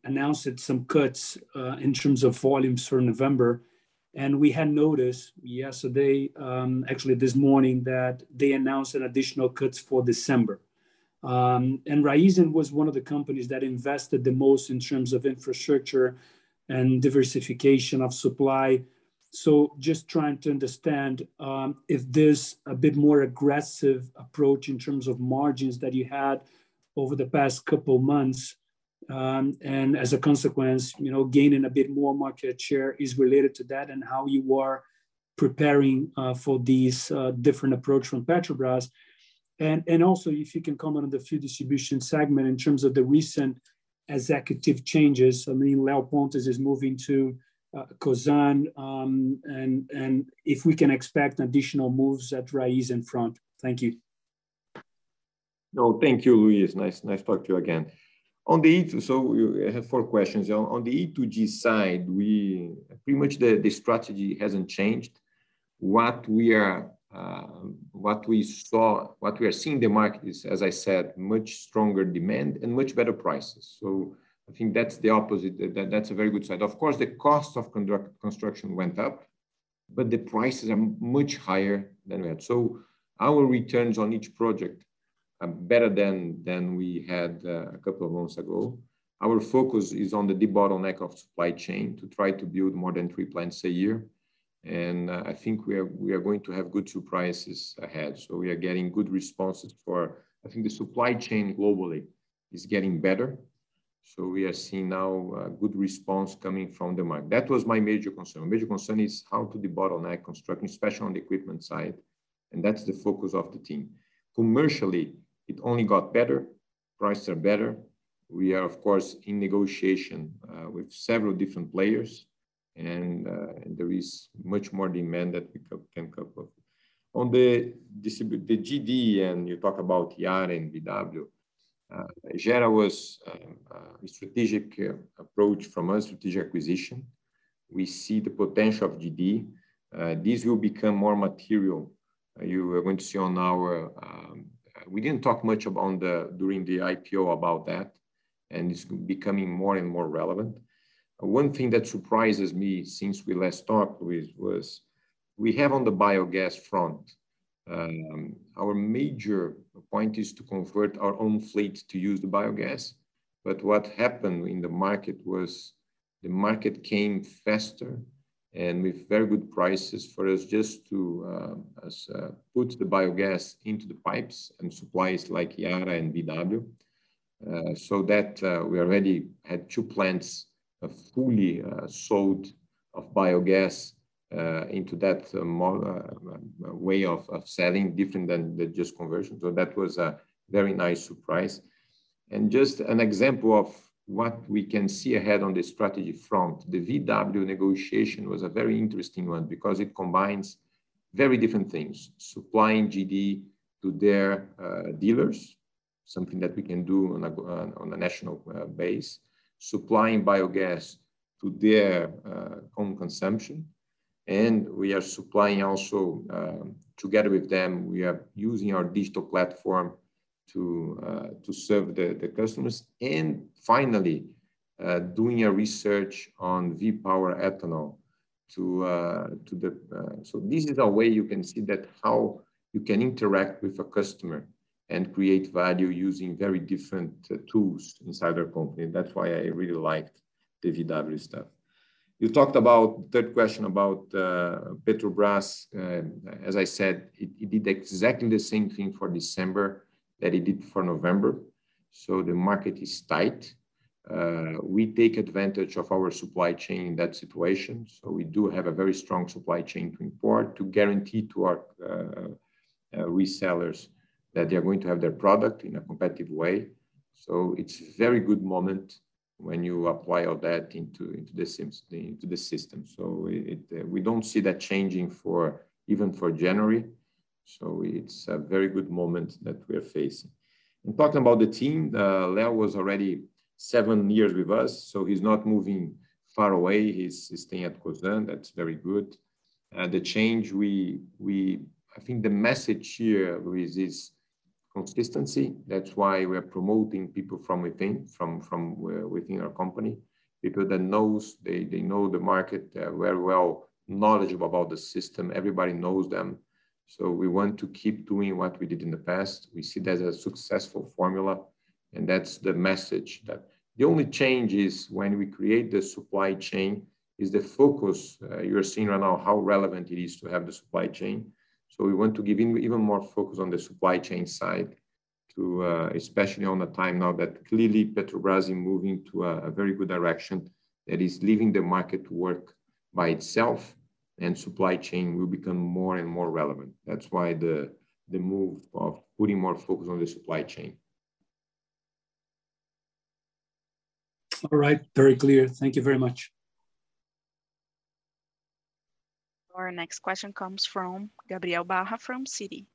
announced some cuts in terms of volumes for November, and we had noticed yesterday, actually this morning, that they announced an additional cuts for December. Raízen was one of the companies that invested the most in terms of infrastructure and diversification of supply. Just trying to understand if there's a bit more aggressive approach in terms of margins that you had over the past couple months, and as a consequence, you know, gaining a bit more market share is related to that and how you are preparing for these different approach from Petrobras. Also if you can comment on the fuel distribution segment in terms of the recent executive changes. I mean, Leo Pontes is moving to Cosan, and if we can expect additional moves at Raízen front. Thank you. No, thank you, Luiz. Nice to talk to you again. You have four questions. On the E2G side, we pretty much the strategy hasn't changed. What we are seeing the market is, as I said, much stronger demand and much better prices. I think that's the opposite. That's a very good sign. Of course, the cost of construction went up, but the prices are much higher than we had. Our returns on each project are better than we had a couple of months ago. Our focus is on the bottleneck of supply chain to try to build more than three plants a year. I think we are going to have good surprises ahead. We are getting good responses for... I think the supply chain globally is getting better. We are seeing now a good response coming from the market. That was my major concern. Major concern is how to debottleneck construction, especially on the equipment side, and that's the focus of the team. Commercially, it only got better. Prices are better. We are, of course, in negotiation with several different players, and there is much more demand that we can cope with. On the GD, and you talk about Yara and VW, Gera was a strategic approach from us, strategic acquisition. We see the potential of GD. This will become more material. You are going to see on our. We didn't talk much about that during the IPO about that, and it's becoming more and more relevant. One thing that surprises me since we last talked with was we have on the biogas front, our major point is to convert our own fleet to use the biogas. What happened in the market was the market came faster and with very good prices for us just to put the biogas into the pipes and supplies like Yara and VW, so that we already had two plants fully sold of biogas into that way of selling different than the just conversion. That was a very nice surprise. Just an example of what we can see ahead on the strategy front, the VW negotiation was a very interesting one because it combines very different things, supplying GD to their dealers. Something that we can do on a national base. Supplying biogas to their home consumption, and we are supplying also, together with them, we are using our digital platform to serve the customers. This is a way you can see that how you can interact with a customer and create value using very different tools inside our company. That's why I really liked the VW stuff. You talked about third question about Petrobras. As I said, it did exactly the same thing for December that it did for November, so the market is tight. We take advantage of our supply chain in that situation, so we do have a very strong supply chain to import, to guarantee to our resellers that they are going to have their product in a competitive way. It's a very good moment when you apply all that into the system. We don't see that changing, even for January. It's a very good moment that we're facing. Talking about the team, Leo was already seven years with us, so he's not moving far away. He's staying at Cosan. That's very good. The change, I think the message here is consistency. That's why we're promoting people from within our company. People that knows, they know the market very well, knowledgeable about the system. Everybody knows them, so we want to keep doing what we did in the past. We see that as a successful formula, and that's the message. The only change is when we create the supply chain is the focus. You're seeing right now how relevant it is to have the supply chain, so we want to give even more focus on the supply chain side too, especially at this time now that clearly Petrobras is moving to a very good direction, that is leaving the market to work by itself, and supply chain will become more and more relevant. That's why the move of putting more focus on the supply chain. All right. Very clear. Thank you very much. Our next question comes from Gabriel Barra from Citi.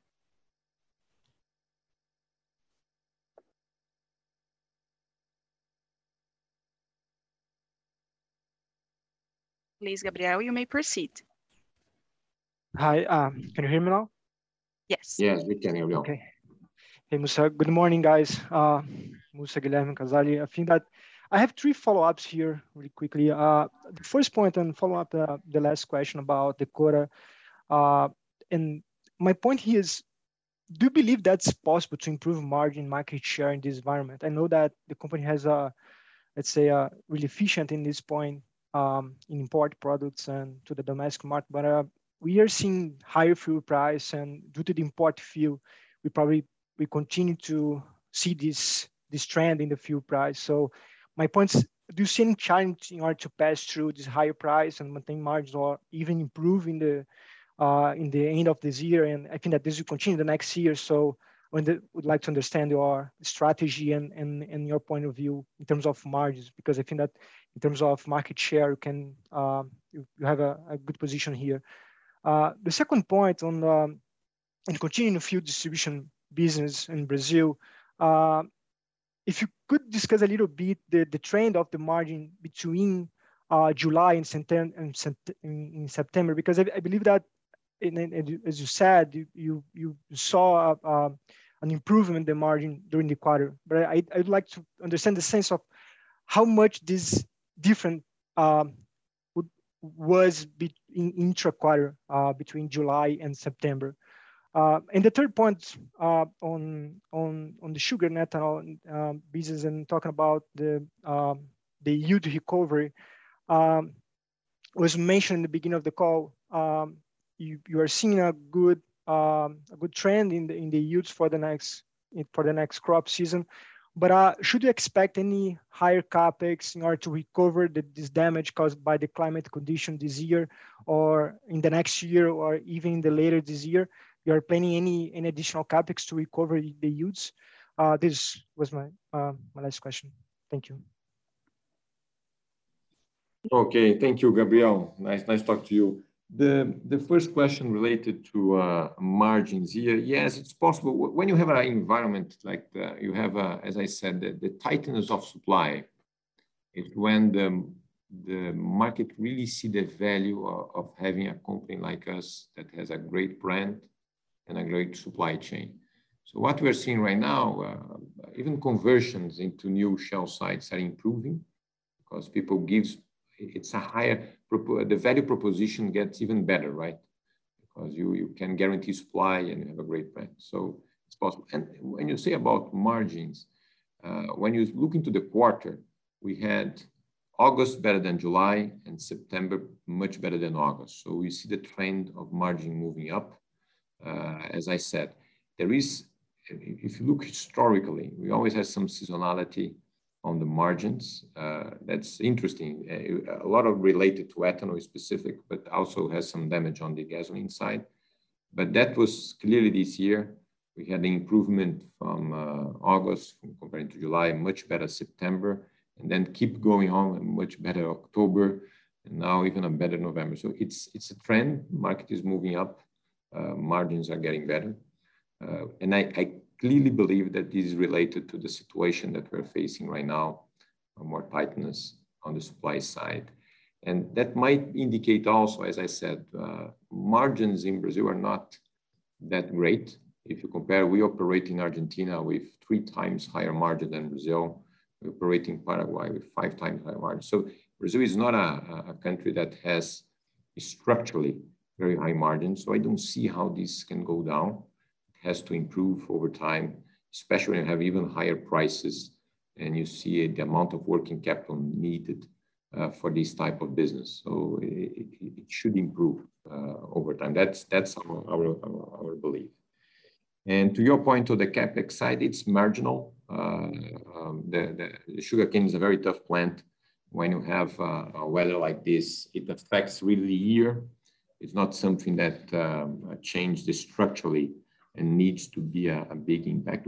Please, Gabriel, you may proceed. Hi. Can you hear me now? Yes. Yes, we can hear you. Okay. Hey, Ricardo Mussa. Good morning, guys. Mussa, Guilherme, Casale, I think that I have three follow-ups here really quickly. The first point is a follow-up to the last question about the quarter. My point here is, do you believe that it is possible to improve margin market share in this environment? I know that the company has, let's say, really efficient in this point in import products and to the domestic market. We are seeing higher fuel price, and due to the import fuel, we probably continue to see this trend in the fuel price. My point is, do you see any challenge in order to pass through this higher price and maintain margins or even improve in the end of this year? I think that this will continue in the next year. I would like to understand your strategy and your point of view in terms of margins. Because I think that in terms of market share, you have a good position here. The second point on continuing the fuel distribution business in Brazil, if you could discuss a little bit the trend of the margin between July and September, because I believe that, as you said, you saw an improvement in the margin during the quarter. I'd like to understand the sense of how much this difference was in intra-quarter between July and September. The third point on the sugar and ethanol business and talking about the yield recovery was mentioned in the beginning of the call. You are seeing a good trend in the yields for the next crop season. Should you expect any higher CapEx in order to recover this damage caused by the climate condition this year or in the next year or even later this year? Are you planning any additional CapEx to recover the yields? This was my last question. Thank you. Okay. Thank you, Gabriel. Nice talk to you. The first question related to margins here. Yes, it's possible. When you have an environment like that, you have, as I said, the tightness of supply. It's when the market really sees the value of having a company like us that has a great brand and a great supply chain. What we're seeing right now, even conversions into new Shell sites are improving because it's a higher value proposition gets even better, right? Because you can guarantee supply, and you have a great brand. It's possible. When you say about margins, when you look into the quarter, we had August better than July and September much better than August. We see the trend of margin moving up. As I said, there is. If you look historically, we always have some seasonality on the margins. That's interesting. A lot related to ethanol specific, but also has some damage on the gasoline side. That was clearly this year. We had the improvement from August comparing to July, much better September, and then keep going on and much better October, and now even a better November. It's a trend. Market is moving up. Margins are getting better. I clearly believe that this is related to the situation that we're facing right now. Or more tightness on the supply side. That might indicate also, as I said, margins in Brazil are not that great. If you compare, we operate in Argentina with 3x higher margin than Brazil. We operate in Paraguay with 5x higher margin. Brazil is not a country that has structurally very high margins, so I don't see how this can go down. It has to improve over time, especially when you have even higher prices, and you see the amount of working capital needed for this type of business. It should improve over time. That's our belief. To your point to the CapEx side, it's marginal. The sugarcane is a very tough plant. When you have weather like this, it affects really the year. It's not something that changed structurally and needs to be a big impact.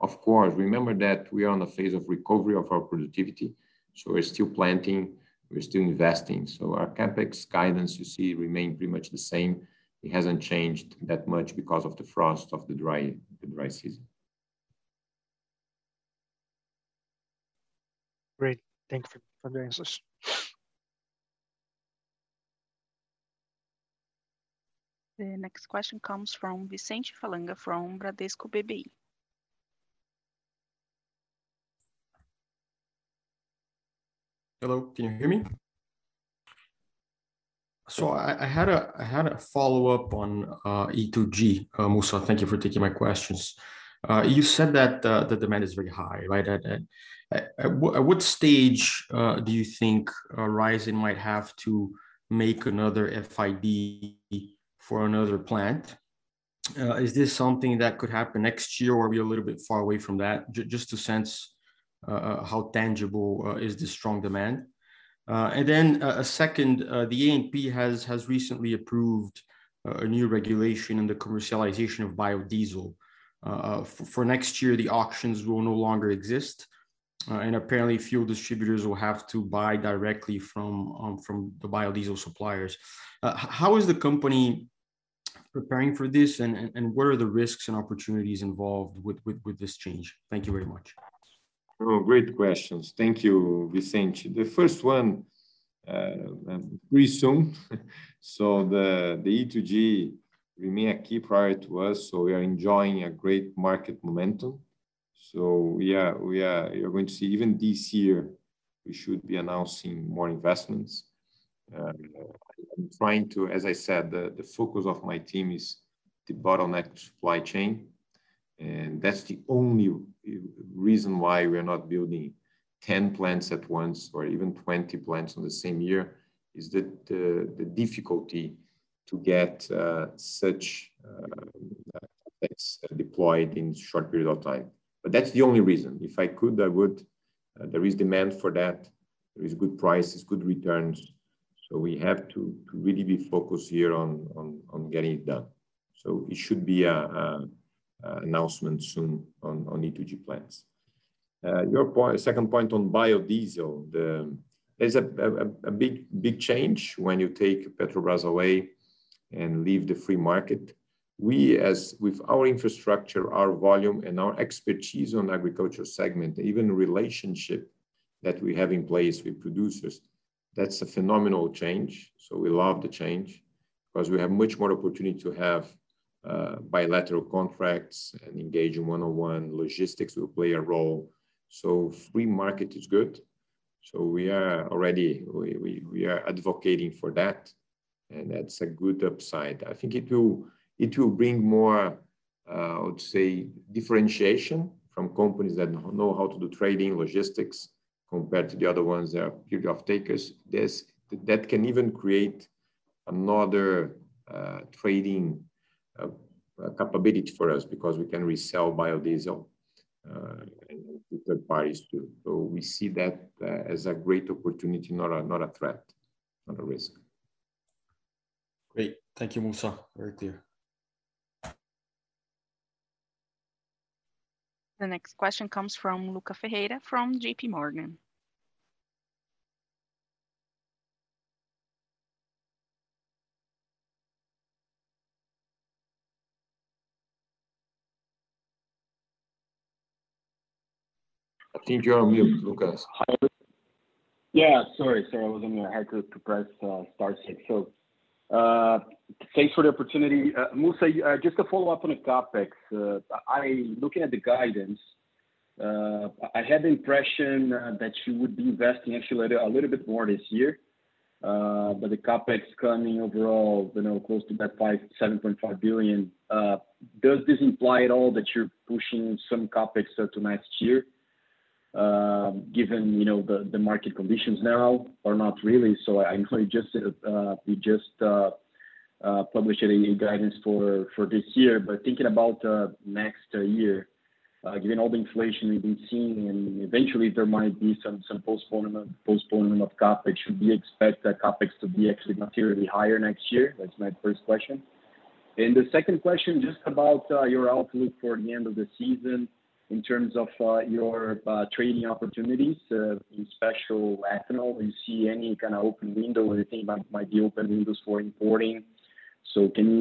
Of course, remember that we are on a phase of recovery of our productivity, so we're still planting, we're still investing. Our CapEx guidance, you see, remain pretty much the same. It hasn't changed that much because of the frost, of the dry season. Great. Thank you for the answers. The next question comes from Vicente Falanga from Bradesco BBI. Hello, can you hear me? I had a follow-up on E2G. Mussa, thank you for taking my questions. You said that the demand is very high, right? At what stage do you think Raízen might have to make another FID for another plant? Is this something that could happen next year or are we a little bit far away from that? Just to sense how tangible is the strong demand. Then a second. The ANP has recently approved a new regulation in the commercialization of biodiesel. For next year, the auctions will no longer exist, and apparently fuel distributors will have to buy directly from the biodiesel suppliers. How is the company preparing for this, and what are the risks and opportunities involved with this change? Thank you very much. Oh, great questions. Thank you, Vicente. The first one, pretty soon. The E2G remain a key priority to us, so we are enjoying a great market momentum. We are. You're going to see even this year, we should be announcing more investments. As I said, the focus of my team is to bottleneck supply chain, and that's the only reason why we are not building 10 plants at once or even 20 plants on the same year, is the difficulty to get such CapEx deployed in short period of time. But that's the only reason. If I could, I would. There is demand for that. There is good prices, good returns. We have to really be focused here on getting it done. It should be an announcement soon on E2G plans. Your second point on biodiesel. There's a big change when you take Petrobras away and leave the free market. With our infrastructure, our volume, and our expertise on agriculture segment, even relationship that we have in place with producers, that's a phenomenal change. We love the change because we have much more opportunity to have bilateral contracts and engage in one-on-one. Logistics will play a role. Free market is good. We are already advocating for that, and that's a good upside. I think it will bring more, I would say, differentiation from companies that know how to do trading, logistics, compared to the other ones that are purely off-takers. That can even create another trading capability for us because we can resell biodiesel to third parties too. We see that as a great opportunity, not a threat, not a risk. Great. Thank you, Mussa. Very clear. The next question comes from Lucas Ferreira from JPMorgan. I think you're on mute, Lucas. Hi. Yeah, sorry. I was on mute. I had to press star six. Thanks for the opportunity. Mussa, just a follow-up on the CapEx. Looking at the guidance, I had the impression that you would be investing actually a little bit more this year, but the CapEx coming overall, you know, close to that 5.75 billion. Does this imply at all that you're pushing some CapEx to next year, given, you know, the market conditions now or not really? I know you just published a guidance for this year. Thinking about next year, given all the inflation we've been seeing, and eventually there might be some postponement of CapEx. Should we expect the CapEx to be actually materially higher next year? That's my first question. The second question, just about, your outlook for the end of the season in terms of, your, trading opportunities, in special ethanol. Do you see any kind of open window or you think might be open windows for importing? Can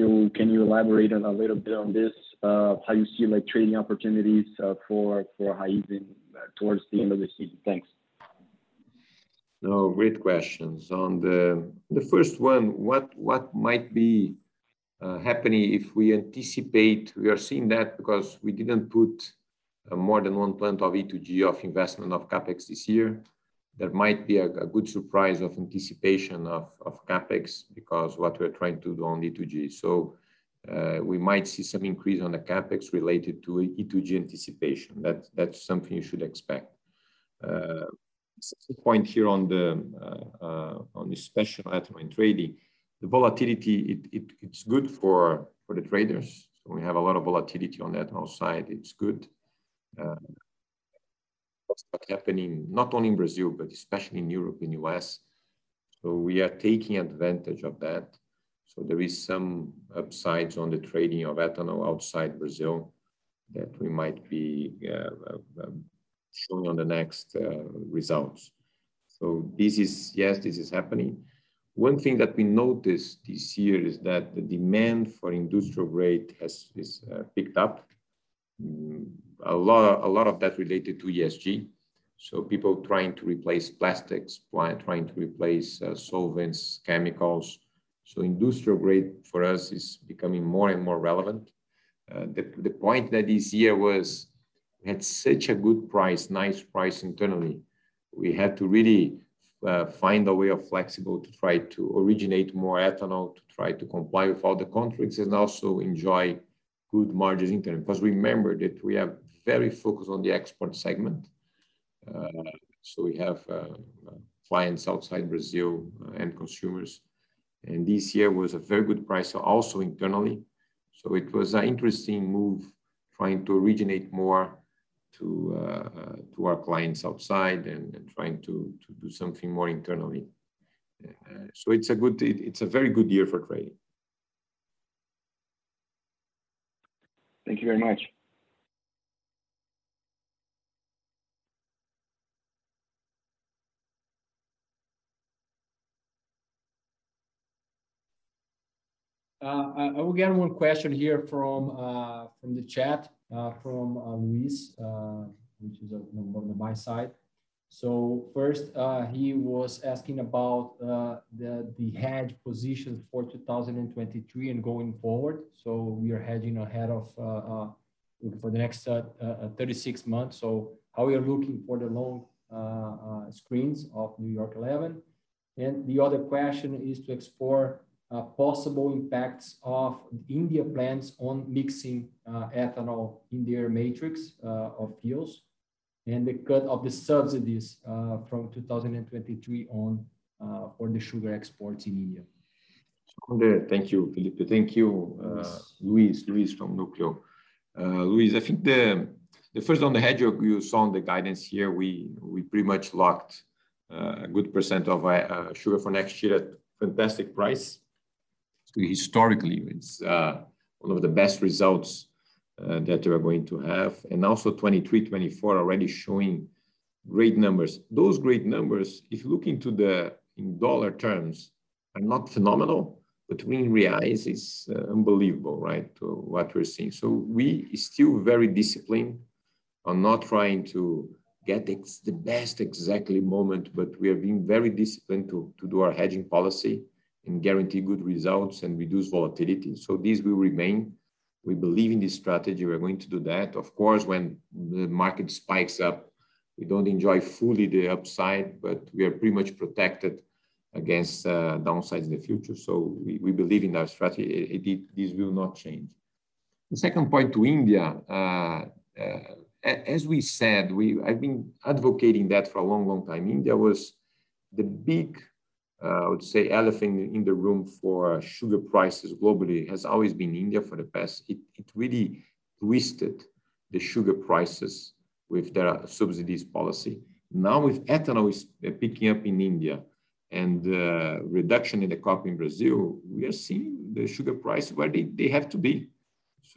you elaborate on a little bit on this, how you see like trading opportunities, for Raízen towards the end of the season? Thanks. No, great questions. On the first one, what might be happening if we anticipate. We are seeing that because we didn't put more than one plant of E2G of investment of CapEx this year. There might be a good surprise of anticipation of CapEx because what we're trying to do on E2G. We might see some increase on the CapEx related to E2G anticipation. That's something you should expect. Second point here on the special item in trading. The volatility, it's good for the traders. We have a lot of volatility on the ethanol side. It's good. What's happening, not only in Brazil, but especially in Europe and U.S. We are taking advantage of that. There is some upsides on the trading of ethanol outside Brazil that we might be showing on the next results. Yes, this is happening. One thing that we noticed this year is that the demand for industrial grade has picked up. A lot of that related to ESG. People trying to replace plastics, trying to replace solvents, chemicals. Industrial grade for us is becoming more and more relevant. The point that this year was we had such a good price, nice price internally. We had to really find a way to be flexible to try to originate more ethanol, to try to comply with all the contracts and also enjoy good margins internally. Because remember that we are very focused on the export segment. We have clients outside Brazil and consumers. This year was a very good price also internally. It was an interesting move trying to originate more to our clients outside and trying to do something more internally. It's a very good year for trading. Thank you very much. We got one question here from the chat, from Luiz, which is on my side. First, he was asking about the hedge position for 2023 and going forward. We are hedging ahead for the next 36 months. How we are looking for the long positions of Sugar No. 11. The other question is to explore possible impacts of India's plans on mixing ethanol in their mix of fuels, and the cut of the subsidies from 2023 on the sugar exports in India. Thank you, Phillipe. Thank you. Luiz Luiz. Luiz from Nucleo. Luiz, I think the first on the hedge you saw on the guidance here, we pretty much locked a good percent of sugar for next year at fantastic price. Historically, it's one of the best results that we are going to have. Also 2023, 2024 already showing great numbers. Those great numbers, if you look into the in dollar terms, are not phenomenal, but to win in real is unbelievable, right? To what we're seeing. We still very disciplined on not trying to get the exact best moment, but we are being very disciplined to do our hedging policy and guarantee good results and reduce volatility. This will remain. We believe in this strategy. We are going to do that. Of course, when the market spikes up, we don't enjoy fully the upside, but we are pretty much protected against downsides in the future. We believe in our strategy. This will not change. The second point to India, as we said, I've been advocating that for a long, long time. India was the big, I would say elephant in the room for sugar prices globally, has always been India for the past. It really twisted the sugar prices with their subsidies policy. Now, with ethanol picking up in India and reduction in the crop in Brazil, we are seeing the sugar price where they have to be.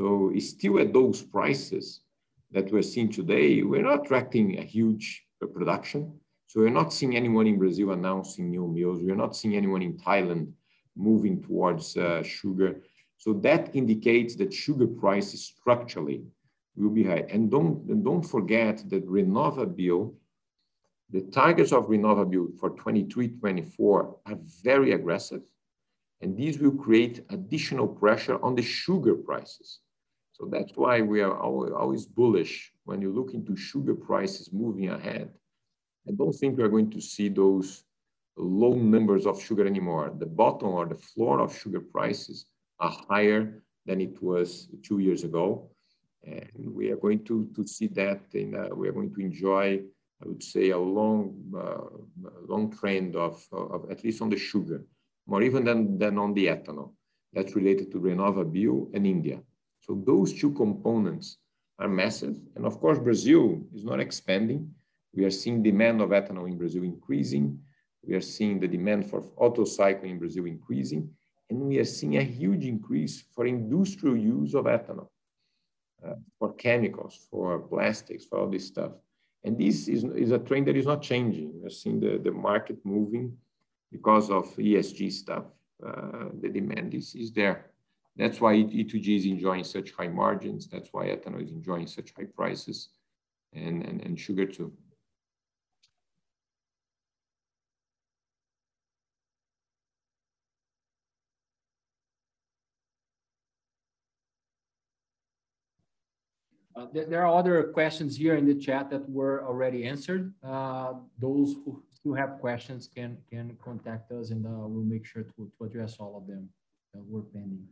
It's still at those prices that we're seeing today. We're not attracting a huge production. We're not seeing anyone in Brazil announcing new mills. We are not seeing anyone in Thailand moving towards sugar. That indicates that sugar prices structurally will be high. Don't forget that RenovaBio, the targets of RenovaBio for 2023, 2024 are very aggressive, and this will create additional pressure on the sugar prices. That's why we are always bullish when you're looking to sugar prices moving ahead. I don't think we are going to see those low numbers of sugar anymore. The bottom or the floor of sugar prices are higher than it was two years ago, and we are going to see that and we are going to enjoy, I would say, a long trend of at least on the sugar, more even than on the ethanol. That's related to RenovaBio and India. Those two components are massive, and of course, Brazil is not expanding. We are seeing demand of ethanol in Brazil increasing. We are seeing the demand for Otto cycle in Brazil increasing, and we are seeing a huge increase for industrial use of ethanol. For chemicals, for plastics, for all this stuff. This is a trend that is not changing. We're seeing the market moving because of ESG stuff. The demand is there. That's why E2G is enjoying such high margins, that's why ethanol is enjoying such high prices and sugar too. There are other questions here in the chat that were already answered. Those who have questions can contact us, and we'll make sure to address all of them that were pending.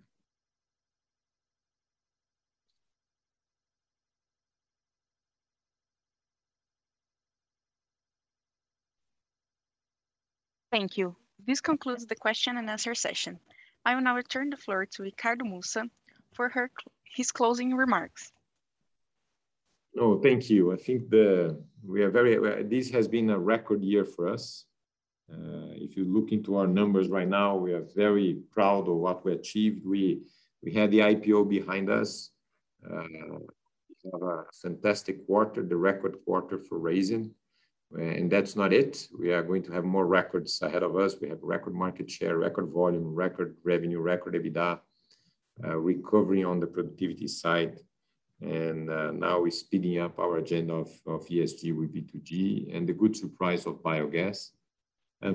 Thank you. This concludes the question and answer session. I will now return the floor to Ricardo Mussa for his closing remarks. Oh, thank you. I think we are very aware this has been a record year for us. If you look into our numbers right now, we are very proud of what we achieved. We had the IPO behind us. We have a fantastic quarter, the record quarter for Raízen. That's not it, we are going to have more records ahead of us. We have record market share, record volume, record revenue, record EBITDA, recovery on the productivity side. Now we're speeding up our agenda of ESG with E2G and the good surprise of biogas.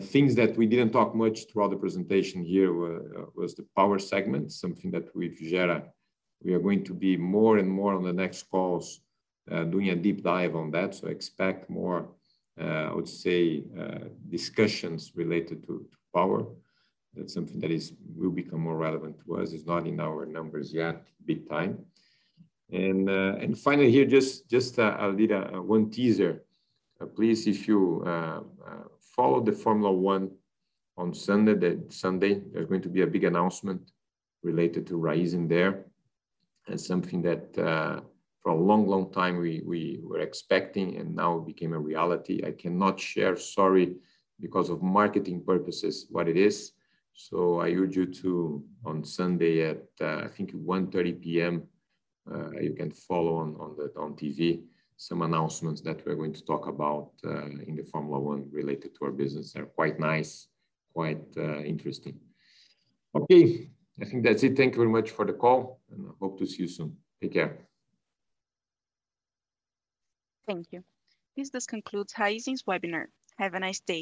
Things that we didn't talk much throughout the presentation here were the power segment, something that with Gera we are going to be more and more on the next calls, doing a deep dive on that. Expect more, I would say, discussions related to power. That's something that will become more relevant to us. It's not in our numbers yet big time. And finally here, just a little one teaser. Please, if you follow the Formula 1 on Sunday, that Sunday, there's going to be a big announcement related to Raízen there. Something that, for a long time we were expecting and now became a reality. I cannot share, sorry, because of marketing purposes what it is, so I urge you to, on Sunday at, I think 1:30 P.M., you can follow on the TV some announcements that we're going to talk about in the Formula 1 related to our business. They're quite nice, interesting. Okay. I think that's it. Thank you very much for the call and I hope to see you soon. Take care. Thank you. This does conclude Raízen's webinar. Have a nice day.